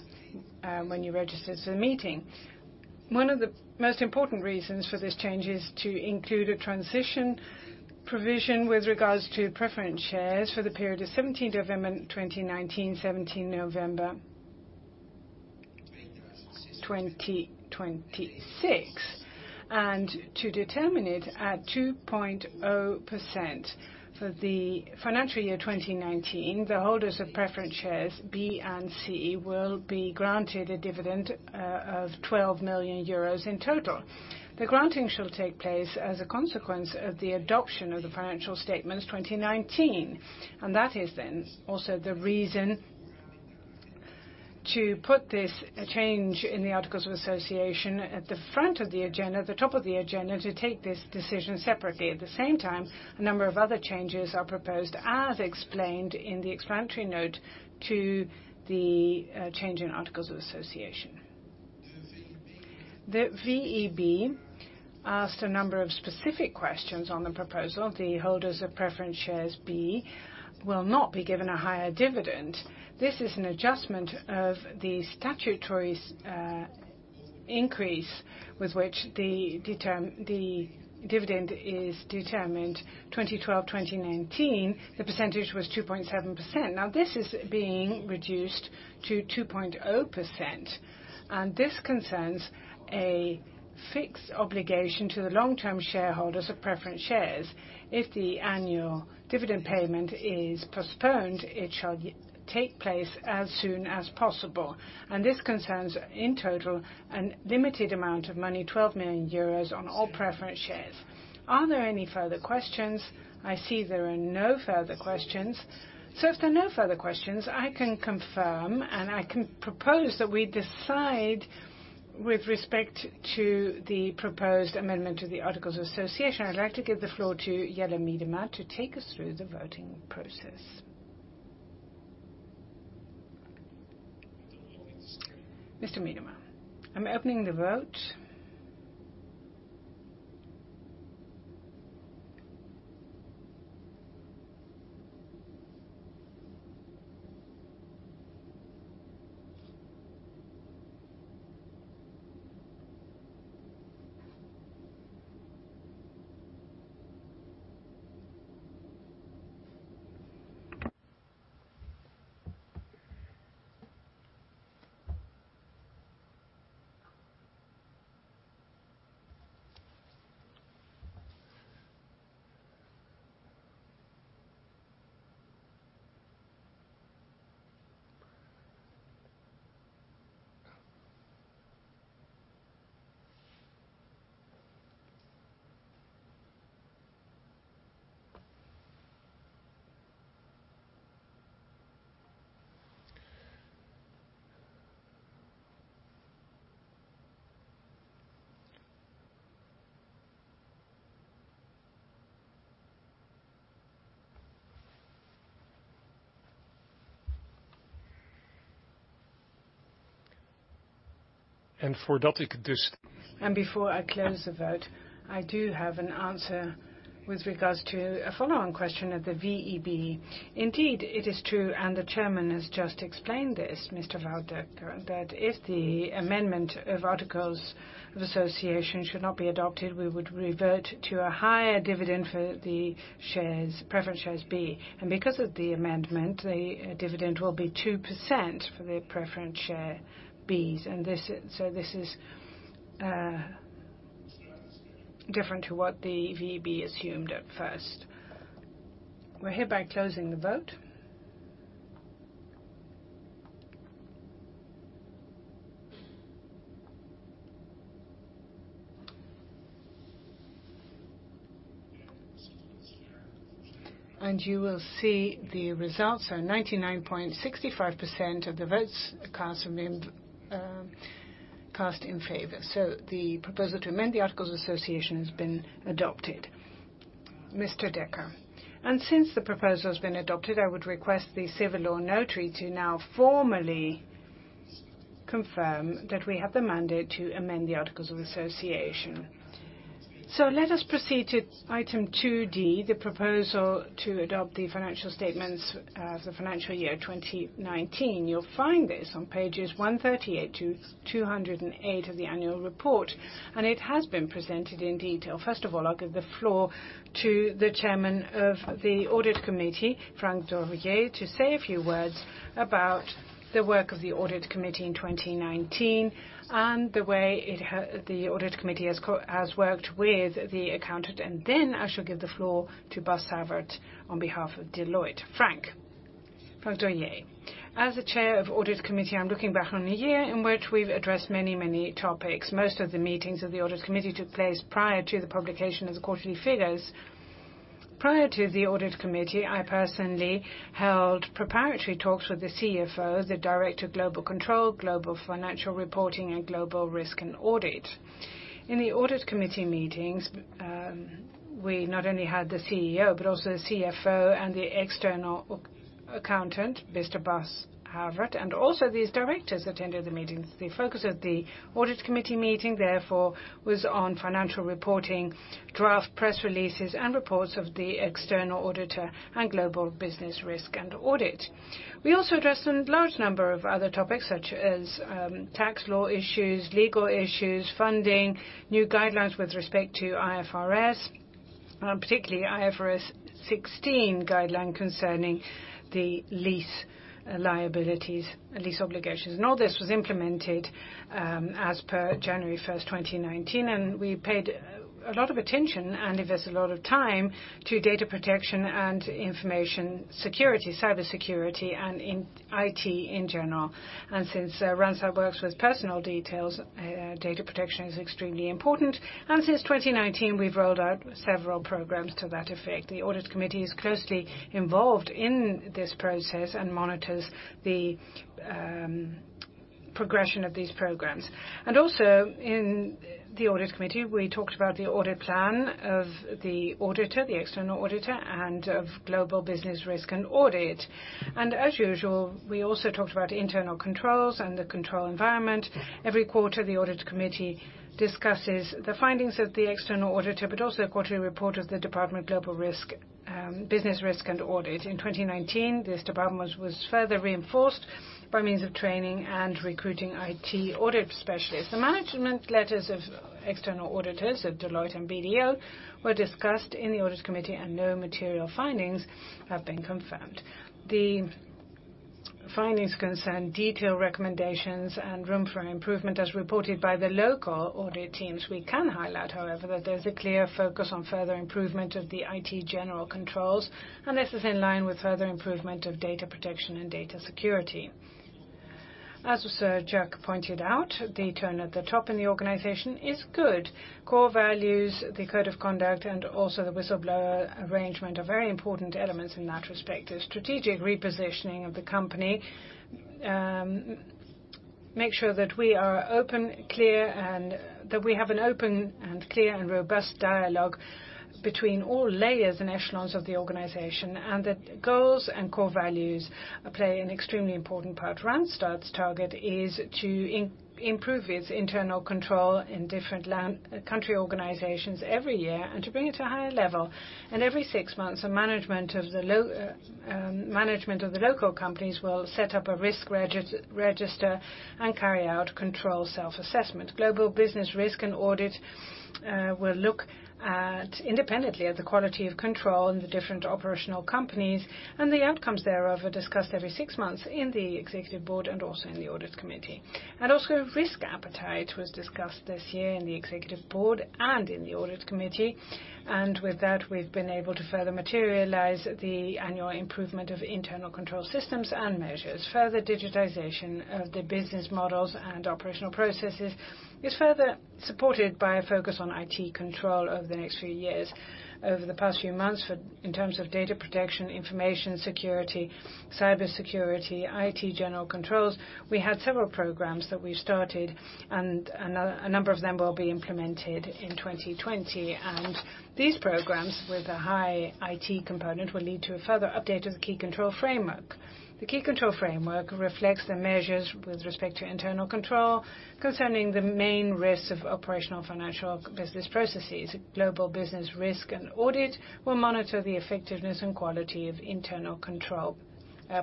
when you registered for the meeting. One of the most important reasons for this change is to include a transition provision with regards to preference shares for the period of 17th November 2019, 17th November 2026, and to determine it at 2.0% for the financial year 2019. The holders of preference shares B and C will be granted a dividend of 12 million euros in total. That is then also the reason to put this change in the articles of association at the front of the agenda, the top of the agenda, to take this decision separately. At the same time, a number of other changes are proposed, as explained in the explanatory note to the change in articles of association. The VEB asked a number of specific questions on the proposal. The holders of preference shares B will not be given a higher dividend. This is an adjustment of the statutory increase with which the dividend is determined 2012, 2019. The percentage was 2.7%. Now this is being reduced to 2.0%, and this concerns a fixed obligation to the long-term shareholders of preference shares. If the annual dividend payment is postponed, it shall take place as soon as possible, and this concerns, in total, a limited amount of money, 12 million euros on all preference shares. Are there any further questions? I see there are no further questions. If there are no further questions, I can confirm, and I can propose that we decide with respect to the proposed amendment to the articles of association. I'd like to give the floor to Jelle Miedema to take us through the voting process. Mr. Miedema. I'm opening the vote. Before I close the vote, I do have an answer with regards to a follow-on question of the VEB. Indeed, it is true, the chairman has just explained this, Mr. Wout, that if the amendment of articles of association should not be adopted, we would revert to a higher dividend for the preference shares B. Because of the amendment, the dividend will be 2% for the preference share Bs. This is different to what the VEB assumed at first. We're hereby closing the vote. You will see the results are 99.65% of the votes cast in favor. The proposal to amend the articles of association has been adopted. Mr. Dekker. Since the proposal has been adopted, I would request the civil law notary to now formally confirm that we have the mandate to amend the articles of association. Let us proceed to item 2D, the proposal to adopt the financial statements as of financial year 2019. You'll find this on pages 138-208 of the annual report, and it has been presented in detail. First of all, I'll give the floor to the Chairman of the Audit Committee, Frank Dorjee, to say a few words about the work of the Audit Committee in 2019 and the way the Audit Committee has worked with the accountant, and then I shall give the floor to Bas Savert on behalf of Deloitte. Frank. Frank Dorjee. As the Chair of the Audit Committee, I'm looking back on a year in which we've addressed many, many topics. Most of the meetings of the Audit Committee took place prior to the publication of the quarterly figures. Prior to the Audit Committee, I personally held preparatory talks with the CFO, the Director of Global Control, Global Financial Reporting, and Global Risk and Audit. In the Audit Committee meetings, we not only had the CEO, but also the CFO and the external accountant, Mr. Bas Savert, and also these directors attended the meetings. The focus of the Audit Committee meeting, therefore, was on financial reporting, draft press releases, and reports of the external auditor and global business risk and audit. We also addressed a large number of other topics, such as tax law issues, legal issues, funding, new guidelines with respect to IFRS. Particularly IFRS 16 guideline concerning the lease liabilities, lease obligations. All this was implemented as per January 1st, 2019, and we paid a lot of attention and invested a lot of time to data protection and information security, cyber security, and IT in general. Since Randstad works with personal details, data protection is extremely important. Since 2019, we've rolled out several programs to that effect. The Audit Committee is closely involved in this process and monitors the progression of these programs. Also in the Audit Committee, we talked about the audit plan of the auditor, the external auditor, and of global business risk and audit. As usual, we also talked about internal controls and the control environment. Every quarter, the audit committee discusses the findings of the external auditor, but also a quarterly report of the department global risk, business risk, and audit. In 2019, this department was further reinforced by means of training and recruiting IT audit specialists. The management letters of external auditors at Deloitte and BDO were discussed in the audit committee, and no material findings have been confirmed. The findings concerned detailed recommendations and room for improvement as reported by the local audit teams. We can highlight, however, that there's a clear focus on further improvement of the IT general controls, and this is in line with further improvement of data protection and data security. As Jacques pointed out, the tone at the top in the organization is good. Core values, the code of conduct, and also the whistleblower arrangement are very important elements in that respect. A strategic repositioning of the company, make sure that we have an open and clear and robust dialogue between all layers and echelons of the organization, and that goals and core values play an extremely important part. Randstad's target is to improve its internal control in different country organizations every year and to bring it to a higher level. Every six months, management of the local companies will set up a risk register and carry out control self-assessment. Global business risk and audit will look independently at the quality of control in the different operational companies, the outcomes thereof are discussed every six months in the Executive Board and also in the Audit Committee. Also risk appetite was discussed this year in the Executive Board and in the Audit Committee. With that, we've been able to further materialize the annual improvement of internal control systems and measures. Further digitization of the business models and operational processes is further supported by a focus on IT control over the next few years. Over the past few months, in terms of data protection, information security, cybersecurity, IT general controls, we had several programs that we started, and a number of them will be implemented in 2020. These programs, with a high IT component, will lead to a further update of the Key Control Framework. The Key Control Framework reflects the measures with respect to internal control concerning the main risks of operational financial business processes. Global Business Risk and Audit will monitor the effectiveness and quality of internal control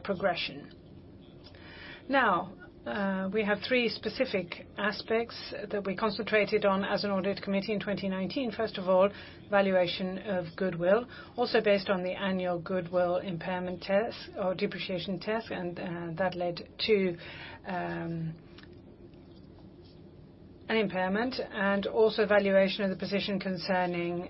progression. We have three specific aspects that we concentrated on as an Audit Committee in 2019. First of all, valuation of goodwill, also based on the annual goodwill impairment test or depreciation test, and that led to an impairment, and also valuation of the position concerning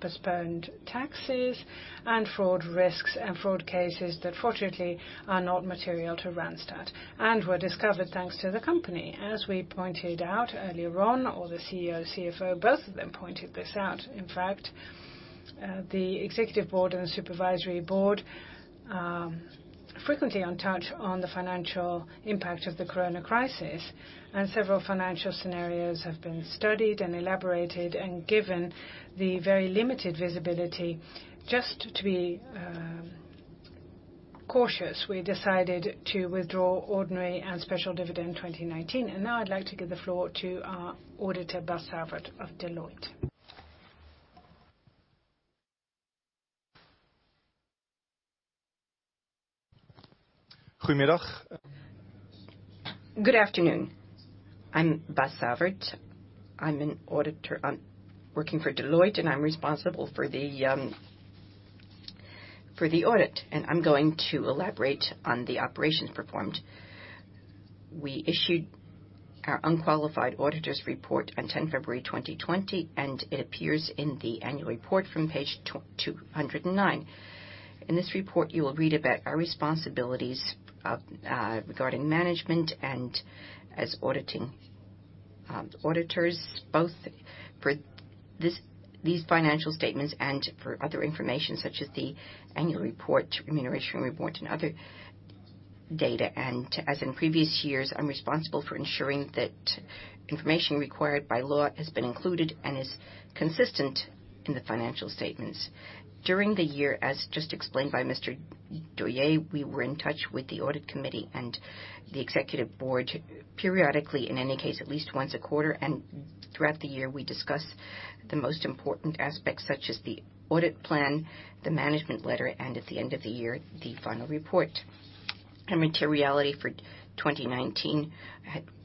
postponed taxes and fraud risks and fraud cases that fortunately are not material to Randstad and were discovered thanks to the company. As we pointed out earlier on, or the CEO, CFO, both of them pointed this out, in fact, the Executive Board and the Supervisory Board frequently touch on the financial impact of the corona crisis. Several financial scenarios have been studied and elaborated. Given the very limited visibility, just to be cautious, we decided to withdraw ordinary and special dividend 2019. Now I'd like to give the floor to our auditor, Bas Savert of Deloitte. Good afternoon. I'm Bas Savert. I'm an auditor working for Deloitte, I'm responsible for the audit, I'm going to elaborate on the operations performed. We issued our unqualified auditors report on 10th February 2020, it appears in the annual report from page 209. In this report, you will read about our responsibilities regarding management and as auditors, both for these financial statements and for other information such as the annual report, remuneration report, and other data. As in previous years, I'm responsible for ensuring that information required by law has been included and is consistent in the financial statements. During the year, as just explained by Mr. Dorjee, we were in touch with the Audit Committee and the Executive Board periodically, in any case, at least once a quarter. Throughout the year, we discussed the most important aspects such as the audit plan, the management letter, and at the end of the year, the final report. Materiality for 2019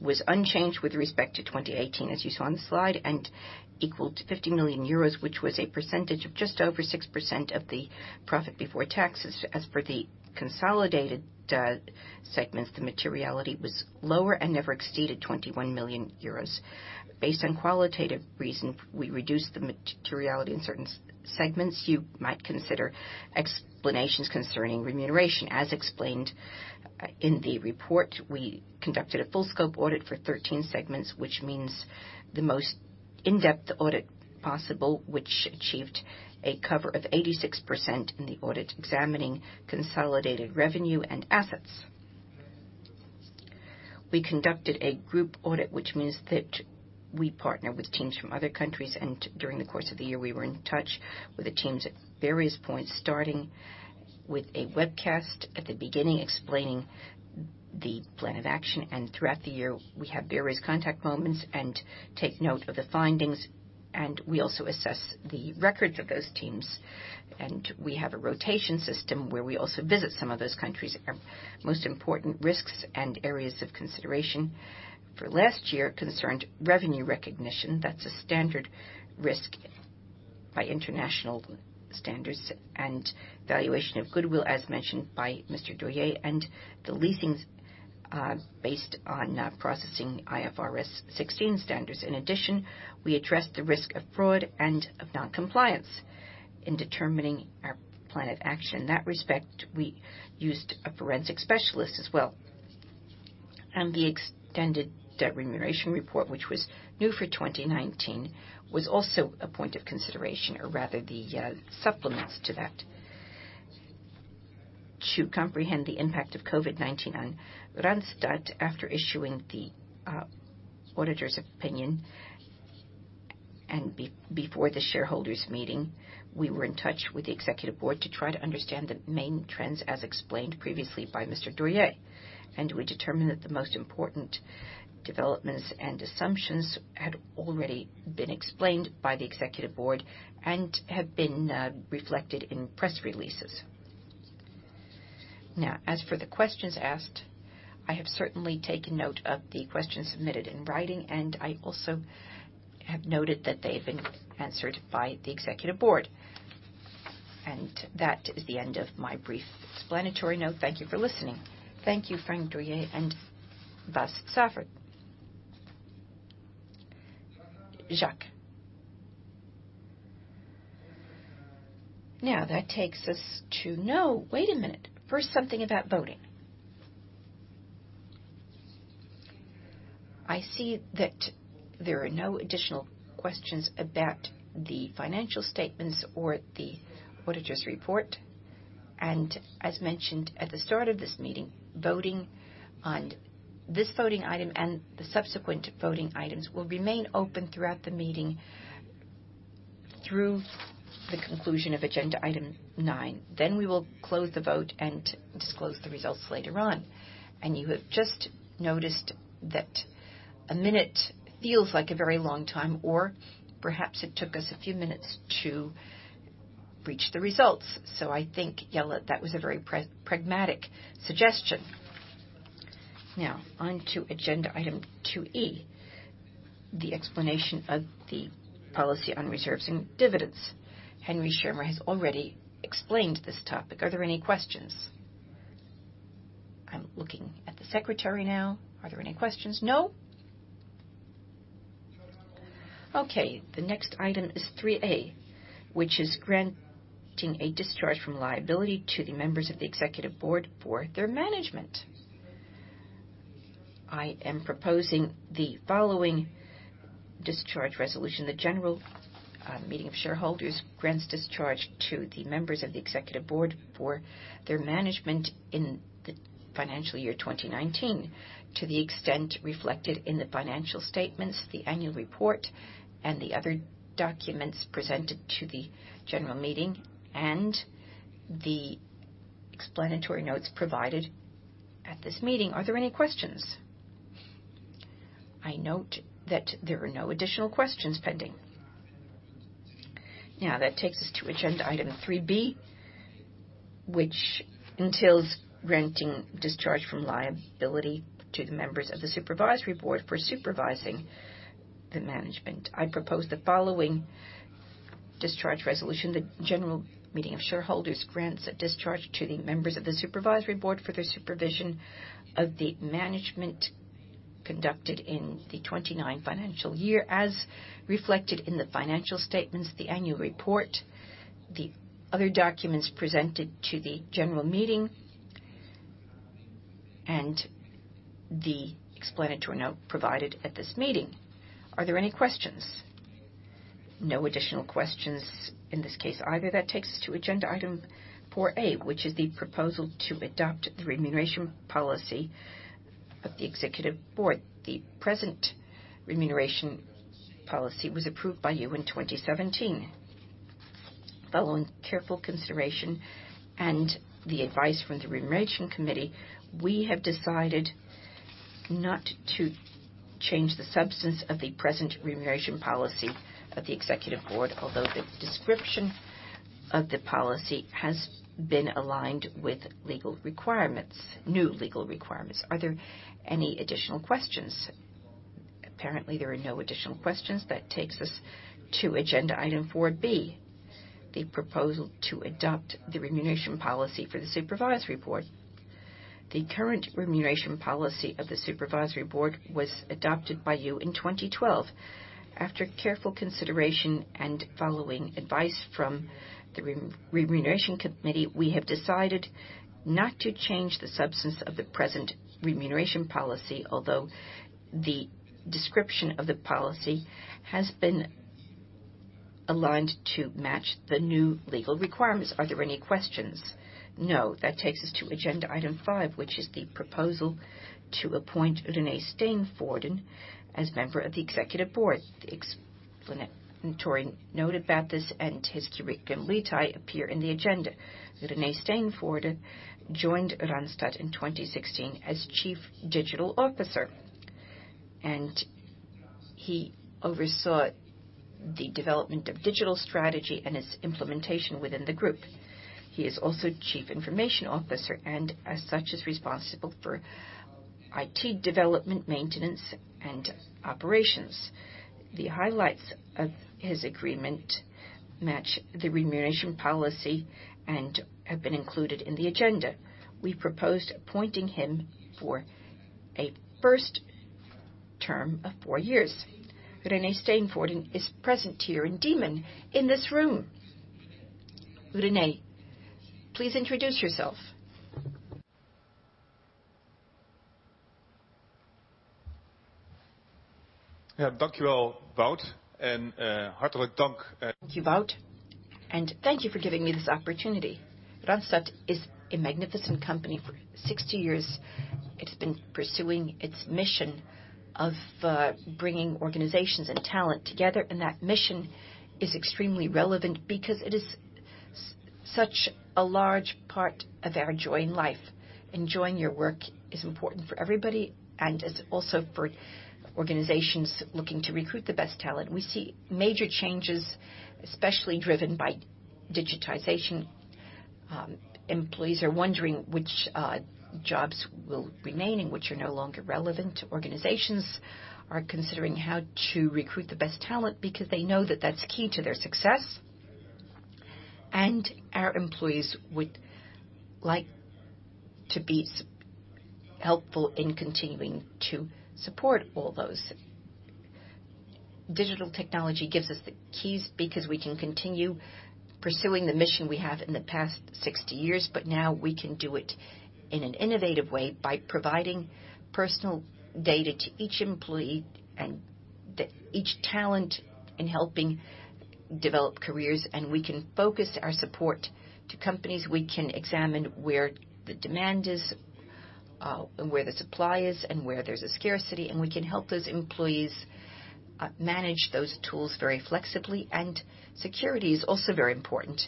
was unchanged with respect to 2018, as you saw on the slide, and equal to 50 million euros, which was a percentage of just over 6% of the profit before taxes. As for the consolidated segments, the materiality was lower and never exceeded 21 million euros. Based on qualitative reason, we reduced the materiality in certain segments. You might consider explanations concerning remuneration. As explained in the report, we conducted a full scope audit for 13 segments, which means the most in-depth audit possible, which achieved a cover of 86% in the audit examining consolidated revenue and assets. We conducted a group audit, which means that we partner with teams from other countries, and during the course of the year, we were in touch with the teams at various points, starting with a webcast at the beginning explaining the plan of action. Throughout the year, we have various contact moments and take note of the findings, and we also assess the records of those teams, and we have a rotation system where we also visit some of those countries. Our most important risks and areas of consideration for last year concerned revenue recognition. That's a standard risk by international standards and valuation of goodwill, as mentioned by Mr. Dorjee, and the leasings based on processing IFRS 16 standards. In addition, we addressed the risk of fraud and of non-compliance in determining our plan of action. In that respect, we used a forensic specialist as well. The Extended Debt Remuneration Report, which was new for 2019, was also a point of consideration, or rather the supplements to that. To comprehend the impact of COVID-19 on Randstad. After issuing the auditor's opinion and before the shareholders' meeting, we were in touch with the Executive Board to try to understand the main trends, as explained previously by Mr. Dorjee. We determined that the most important developments and assumptions had already been explained by the Executive Board and have been reflected in press releases. Now, as for the questions asked, I have certainly taken note of the questions submitted in writing, and I also have noted that they've been answered by the Executive Board. That is the end of my brief explanatory note. Thank you for listening. Thank you, Frank Dorjee and Bas Savert. Jacques. Now that takes us to. No, wait a minute. First, something about voting. I see that there are no additional questions about the financial statements or the auditor's report. As mentioned at the start of this meeting, voting on this voting item and the subsequent voting items will remain open throughout the meeting through the conclusion of agenda item nine. We will close the vote and disclose the results later on. You have just noticed that one minute feels like a very long time, or perhaps it took us a few minutes to reach the results. I think, Jelle, that was a very pragmatic suggestion. Now on to agenda item 2E, the explanation of the policy on reserves and dividends. Henry Schirmer has already explained this topic. Are there any questions? I'm looking at the secretary now. Are there any questions? No. The next item is 3A, which is granting a discharge from liability to the members of the executive board for their management. I am proposing the following discharge resolution: The general meeting of shareholders grants discharge to the members of the executive board for their management in the financial year 2019 to the extent reflected in the financial statements, the annual report, and the other documents presented to the general meeting and the explanatory notes provided at this meeting. Are there any questions? I note that there are no additional questions pending. That takes us to agenda item 3B, which entails granting discharge from liability to the members of the supervisory board for supervising the management. I propose the following discharge resolution: The general meeting of shareholders grants a discharge to the members of the supervisory board for their supervision of the management conducted in the 2019 financial year. As reflected in the financial statements, the annual report, the other documents presented to the general meeting, and the explanatory note provided at this meeting. Are there any questions? No additional questions in this case either. That takes us to agenda item 4A, which is the proposal to adopt the remuneration policy of the Executive Board. The present remuneration policy was approved by you in 2017. Following careful consideration and the advice from the Remuneration Committee. We have decided not to change the substance of the present remuneration policy of the Executive Board, although the description of the policy has been aligned with new legal requirements. Are there any additional questions? Apparently, there are no additional questions. That takes us to agenda item 4B, the proposal to adopt the remuneration policy for the Supervisory Board. The current remuneration policy of the Supervisory Board was adopted by you in 2012. After careful consideration and following advice from the Remuneration Committee, we have decided not to change the substance of the present remuneration policy, although the description of the policy has been aligned to match the new legal requirements. Are there any questions? No. That takes us to agenda item five, which is the proposal to appoint René Steenvoorden as member of the Executive Board. The explanatory note about this and his curriculum vitae appear in the agenda. René Steenvoorden joined Randstad in 2016 as Chief Digital Officer, and he oversaw the development of digital strategy and its implementation within the group. He is also Chief Information Officer and as such is responsible for IT development, maintenance, and operations. The highlights of his agreement match the remuneration policy and have been included in the agenda. We proposed appointing him for a first term of four years. René Steenvoorden is present here in Diemen, in this room. René, please introduce yourself. Thank you, Wout, and thank you for giving me this opportunity. Randstad is a magnificent company. For 60 years, it has been pursuing its mission of bringing organizations and talent together, and that mission is extremely relevant because it is such a large part of our joy in life. Enjoying your work is important for everybody and is also for organizations looking to recruit the best talent. We see major changes, especially driven by digitization. Employees are wondering which jobs will remain and which are no longer relevant. Organizations are considering how to recruit the best talent because they know that that's key to their success. Our employees would like to be helpful in continuing to support all those. Digital technology gives us the keys because we can continue pursuing the mission we have in the past 60 years, but now we can do it in an innovative way by providing personal data to each employee and each talent in helping develop careers. We can focus our support to companies. We can examine where the demand is, where the supply is, and where there's a scarcity, and we can help those employees manage those tools very flexibly. Security is also very important.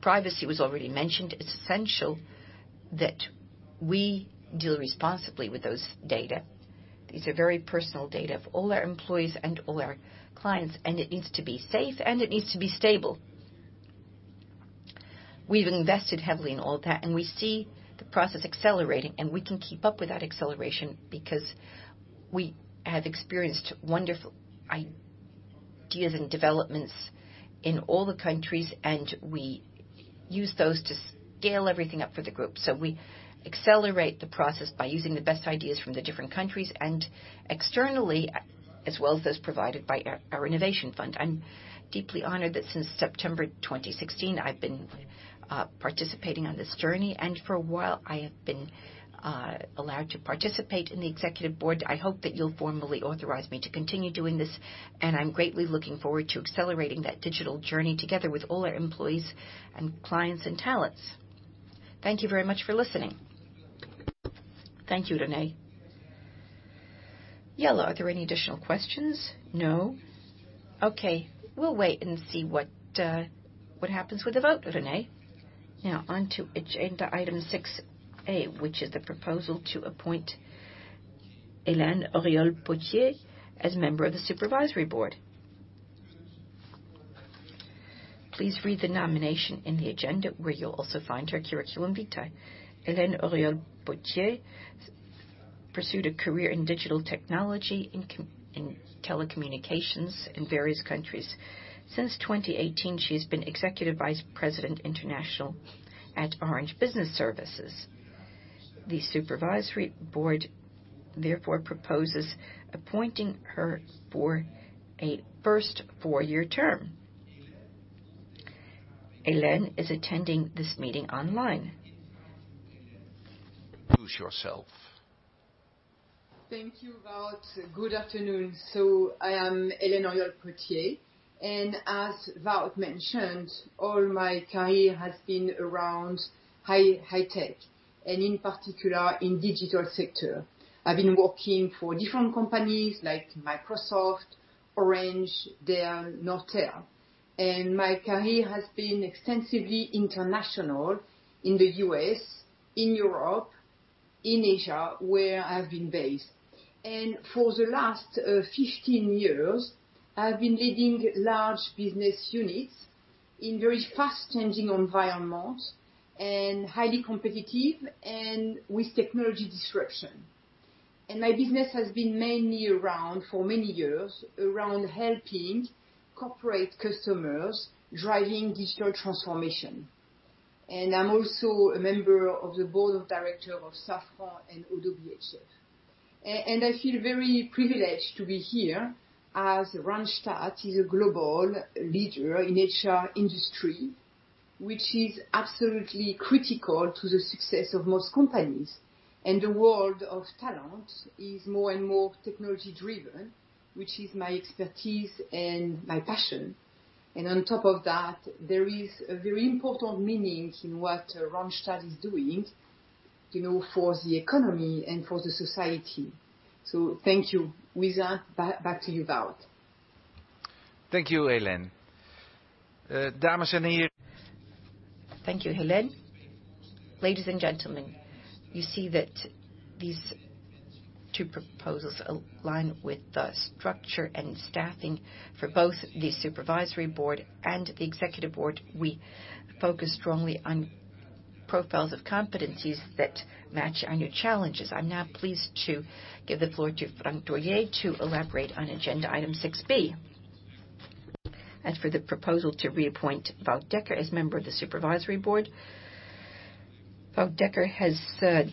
Privacy was already mentioned. It's essential that we deal responsibly with those data. These are very personal data of all our employees and all our clients, and it needs to be safe and it needs to be stable. We've invested heavily in all of that, and we see the process accelerating, and we can keep up with that acceleration because we have experienced wonderful ideas and developments in all the countries, and we use those to scale everything up for the group. We accelerate the process by using the best ideas from the different countries and externally as well as those provided by our innovation fund. I'm deeply honored that since September 2016, I've been participating on this journey, and for a while, I have been allowed to participate in the executive board. I hope that you'll formally authorize me to continue doing this, and I'm greatly looking forward to accelerating that digital journey together with all our employees and clients and talents. Thank you very much for listening. Thank you, René. Are there any additional questions? No. Okay. We'll wait and see what happens with the vote, René. Now on to agenda item 6A, which is the proposal to appoint Hélène Auriol Potier as member of the Supervisory Board. Please read the nomination in the agenda where you'll also find her curriculum vitae. Hélène Auriol Potier pursued a career in digital technology in telecommunications in various countries. Since 2018, she has been Executive Vice President International at Orange Business Services. The Supervisory Board, therefore, proposes appointing her for a first four-year term. Hélène is attending this meeting online. Introduce yourself. Thank you, Wout. Good afternoon. I am Hélène Auriol Potier, and as Wout mentioned, all my career has been around high tech, and in particular in digital sector. I've been working for different companies like Microsoft, Orange, Dell, Nortel. My career has been extensively international in the U.S., in Europe, in Asia, where I've been based. For the last 15 years, I've been leading large business units in very fast-changing environments, and highly competitive, and with technology disruption. My business has been mainly around, for many years, around helping corporate customers driving digital transformation. I'm also a member of the board of director of Safran and ODDO BHF. I feel very privileged to be here as Randstad is a global leader in HR industry, which is absolutely critical to the success of most companies. The world of talent is more and more technology driven, which is my expertise and my passion. On top of that, there is a very important meaning in what Randstad is doing for the economy and for the society. Thank you. With that, back to you, Wout. Thank you, Hélène. Ladies and gentlemen, you see that these two proposals align with the structure and staffing for both the Supervisory Board and the Executive Board. We focus strongly on profiles of competencies that match on your challenges. I am now pleased to give the floor to Frank Dorjee to elaborate on agenda item 6B. As for the proposal to reappoint Wout Dekker as member of the Supervisory Board, Wout Dekker has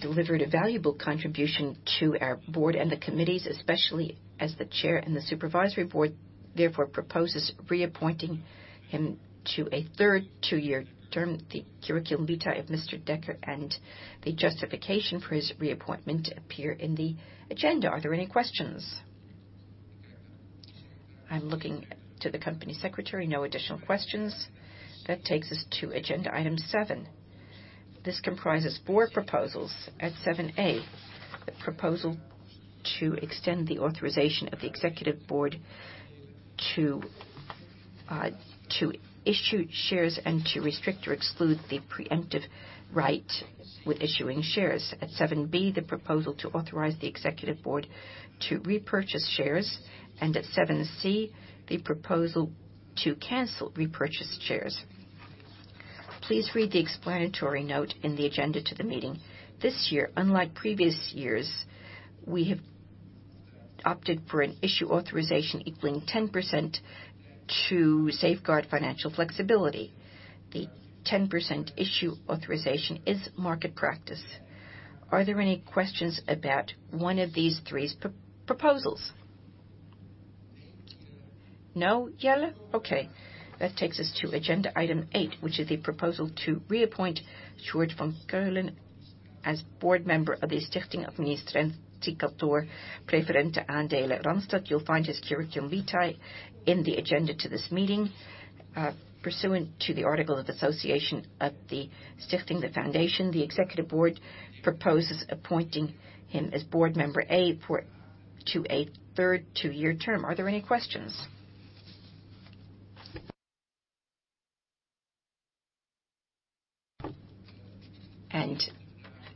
delivered a valuable contribution to our board and the committees, especially as the Chair and the Supervisory Board, therefore proposes reappointing him to a third two-year term. The curriculum vitae of Mr. Dekker and the justification for his reappointment appear in the agenda. Are there any questions? I am looking to the Company Secretary. No additional questions. That takes us to agenda item seven. This comprises four proposals. At 7A, the proposal to extend the authorization of the Executive Board to issue shares and to restrict or exclude the preemptive right with issuing shares. At 7B, the proposal to authorize the Executive Board to repurchase shares, and at 7C, the proposal to cancel repurchased shares. Please read the explanatory note in the agenda to the meeting. This year, unlike previous years, we have opted for an issue authorization equaling 10% to safeguard financial flexibility. The 10% issue authorization is market practice. Are there any questions about one of these three proposals? No, Jelle? Okay. That takes us to agenda item eight, which is the proposal to reappoint Sjoerd van Keulen as Board Member of the Stichting Administratiekantoor Preferente Aandelen Randstad. You'll find his curriculum vitae in the agenda to this meeting. Pursuant to the article of association of the Stichting, the foundation, the executive board proposes appointing him as board member A to a third two-year term. Are there any questions?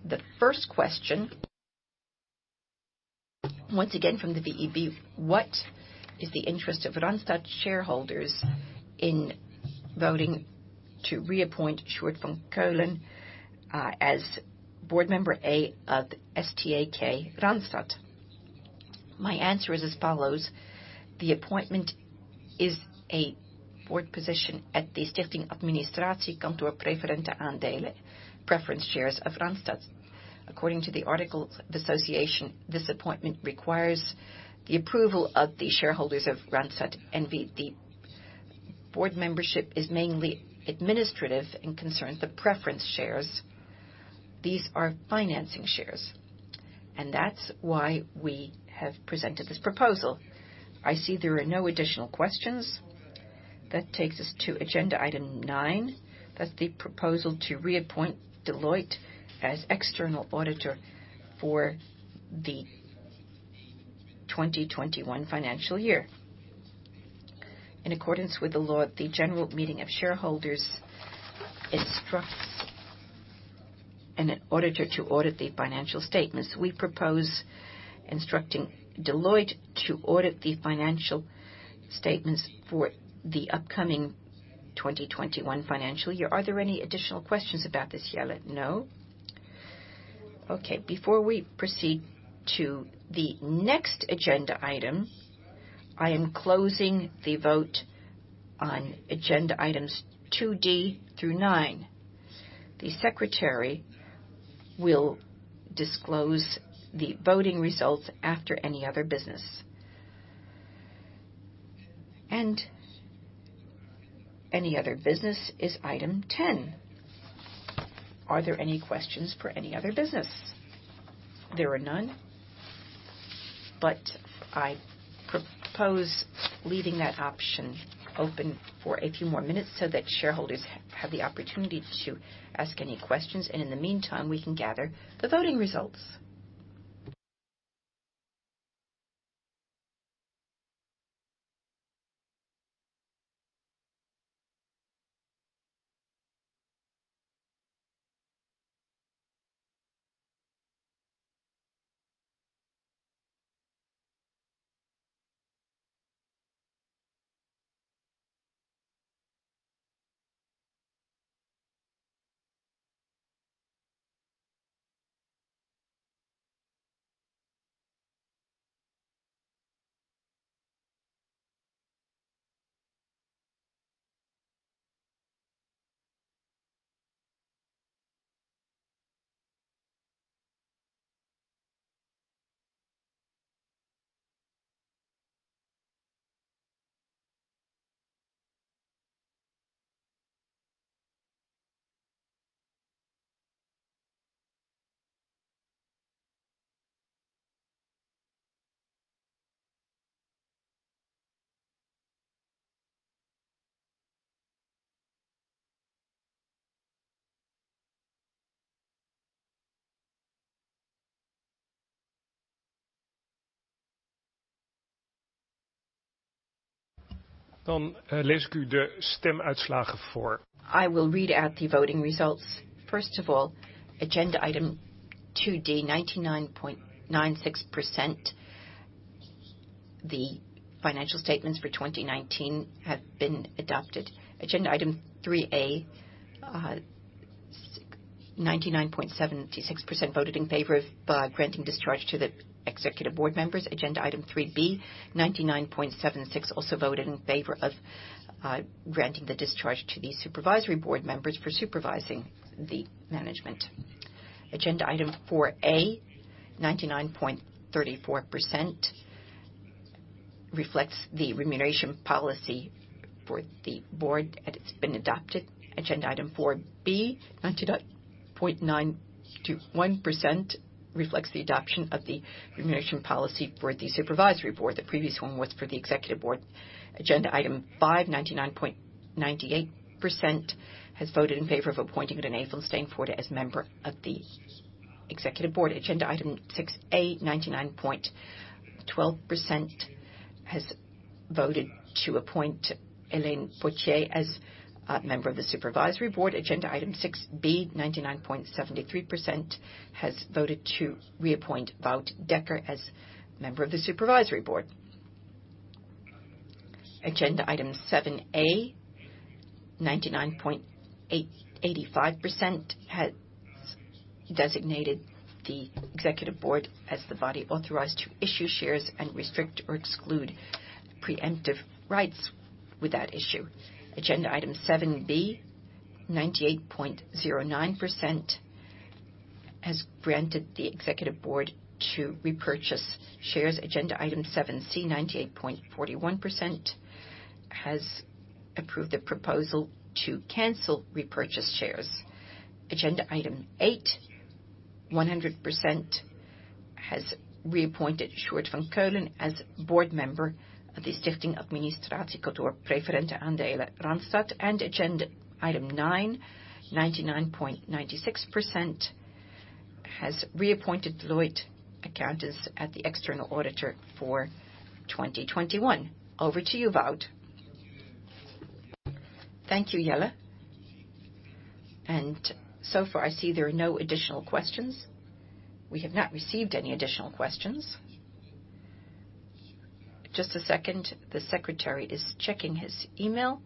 The first question, once again, from the VEB: What is the interest of Randstad shareholders in voting to reappoint Sjoerd van Keulen as board member A of STAK Randstad? My answer is as follows: The appointment is a board position at the Stichting Administratiekantoor Preferente Aandelen, preference shares of Randstad. According to the article of association, this appointment requires the approval of the shareholders of Randstad NV. The board membership is mainly administrative and concerns the preference shares. These are financing shares, and that's why we have presented this proposal. I see there are no additional questions. That takes us to agenda item nine. That's the proposal to reappoint Deloitte as external auditor for the 2021 financial year. In accordance with the law, the general meeting of shareholders instructs an auditor to audit the financial statements. We propose instructing Deloitte to audit the financial statements for the upcoming 2021 financial year. Are there any additional questions about this, Jelle? No. Okay. Before we proceed to the next agenda item, I am closing the vote on agenda items 2D through nine. The secretary will disclose the voting results after any other business. Any other business is item 10. Are there any questions for any other business? There are none, I propose leaving that option open for a few more minutes so that shareholders have the opportunity to ask any questions, and in the meantime, we can gather the voting results. I will read out the voting results. First of all, agenda item 2D, 99.96%. The financial statements for 2019 have been adopted. Agenda item 3A, 99.76% voted in favor of granting discharge to the executive board members. Agenda item 3B, 99.76% also voted in favor of granting the discharge to the supervisory board members for supervising the management. Agenda item 4A, 99.34% reflects the remuneration policy for the board and it's been adopted. Agenda item 4B, 99.91% reflects the adoption of the remuneration policy for the supervisory board. The previous one was for the executive board. Agenda item five, 99.98% has voted in favor of appointing René Steenvoorden as member of the executive board. Agenda item 6A, 99.12% has voted to appoint Hélène Auriol Potier as a member of the supervisory board. Agenda item 6B, 99.73% has voted to reappoint Wout Dekker as member of the supervisory board. Agenda item 7A, 99.85% has designated the executive board as the body authorized to issue shares and restrict or exclude preemptive rights with that issue. Agenda item 7B, 98.09% has granted the executive board to repurchase shares. Agenda item 7C, 98.41% has approved the proposal to cancel repurchase shares. Agenda item eight, 100% has reappointed Sjoerd van Keulen as board member of the Stichting Administratiekantoor Preferente Aandelen Randstad. Agenda item 9, 99.96% has reappointed Deloitte Accountants as the external auditor for 2021. Over to you, Wout. Thank you, Jelle. So far, I see there are no additional questions. We have not received any additional questions. Just a second. The secretary is checking his email.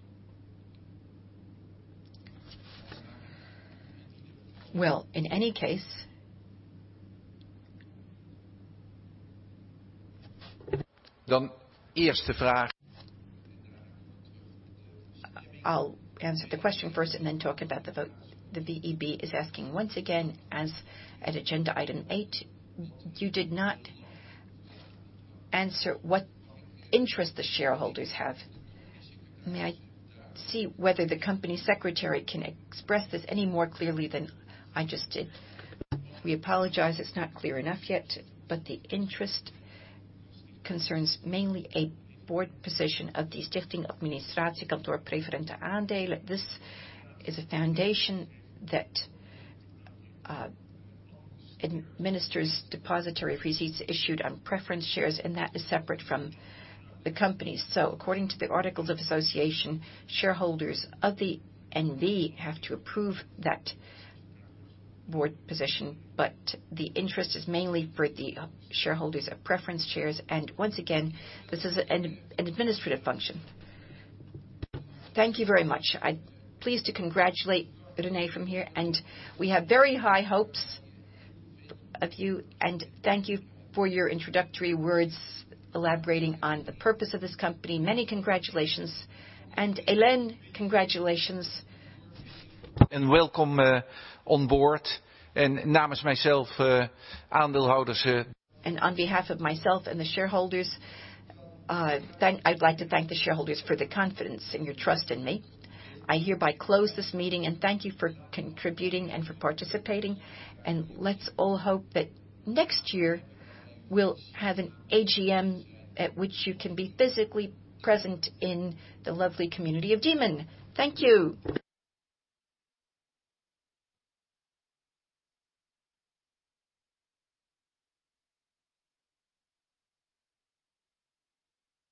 Well, in any case. I'll answer the question first and then talk about the vote. The VEB is asking once again at agenda item eight, you did not answer what interest the shareholders have. May I see whether the company secretary can express this any more clearly than I just did? We apologize. It's not clear enough yet, the interest concerns mainly a board position of the Stichting Administratiekantoor Preferente Aandelen. This is a foundation that administers depository receipts issued on preference shares, and that is separate from the company. According to the articles of association, shareholders of the NV have to approve that board position, but the interest is mainly for the shareholders of preference shares. Once again, this is an administrative function. Thank you very much. I'm pleased to congratulate René from here, and we have very high hopes of you, and thank you for your introductory words elaborating on the purpose of this company. Many congratulations. Hélène, congratulations. On behalf of myself and the shareholders, I'd like to thank the shareholders for the confidence and your trust in me. I hereby close this meeting and thank you for contributing and for participating, and let's all hope that next year we'll have an AGM at which you can be physically present in the lovely community of Diemen. Thank you.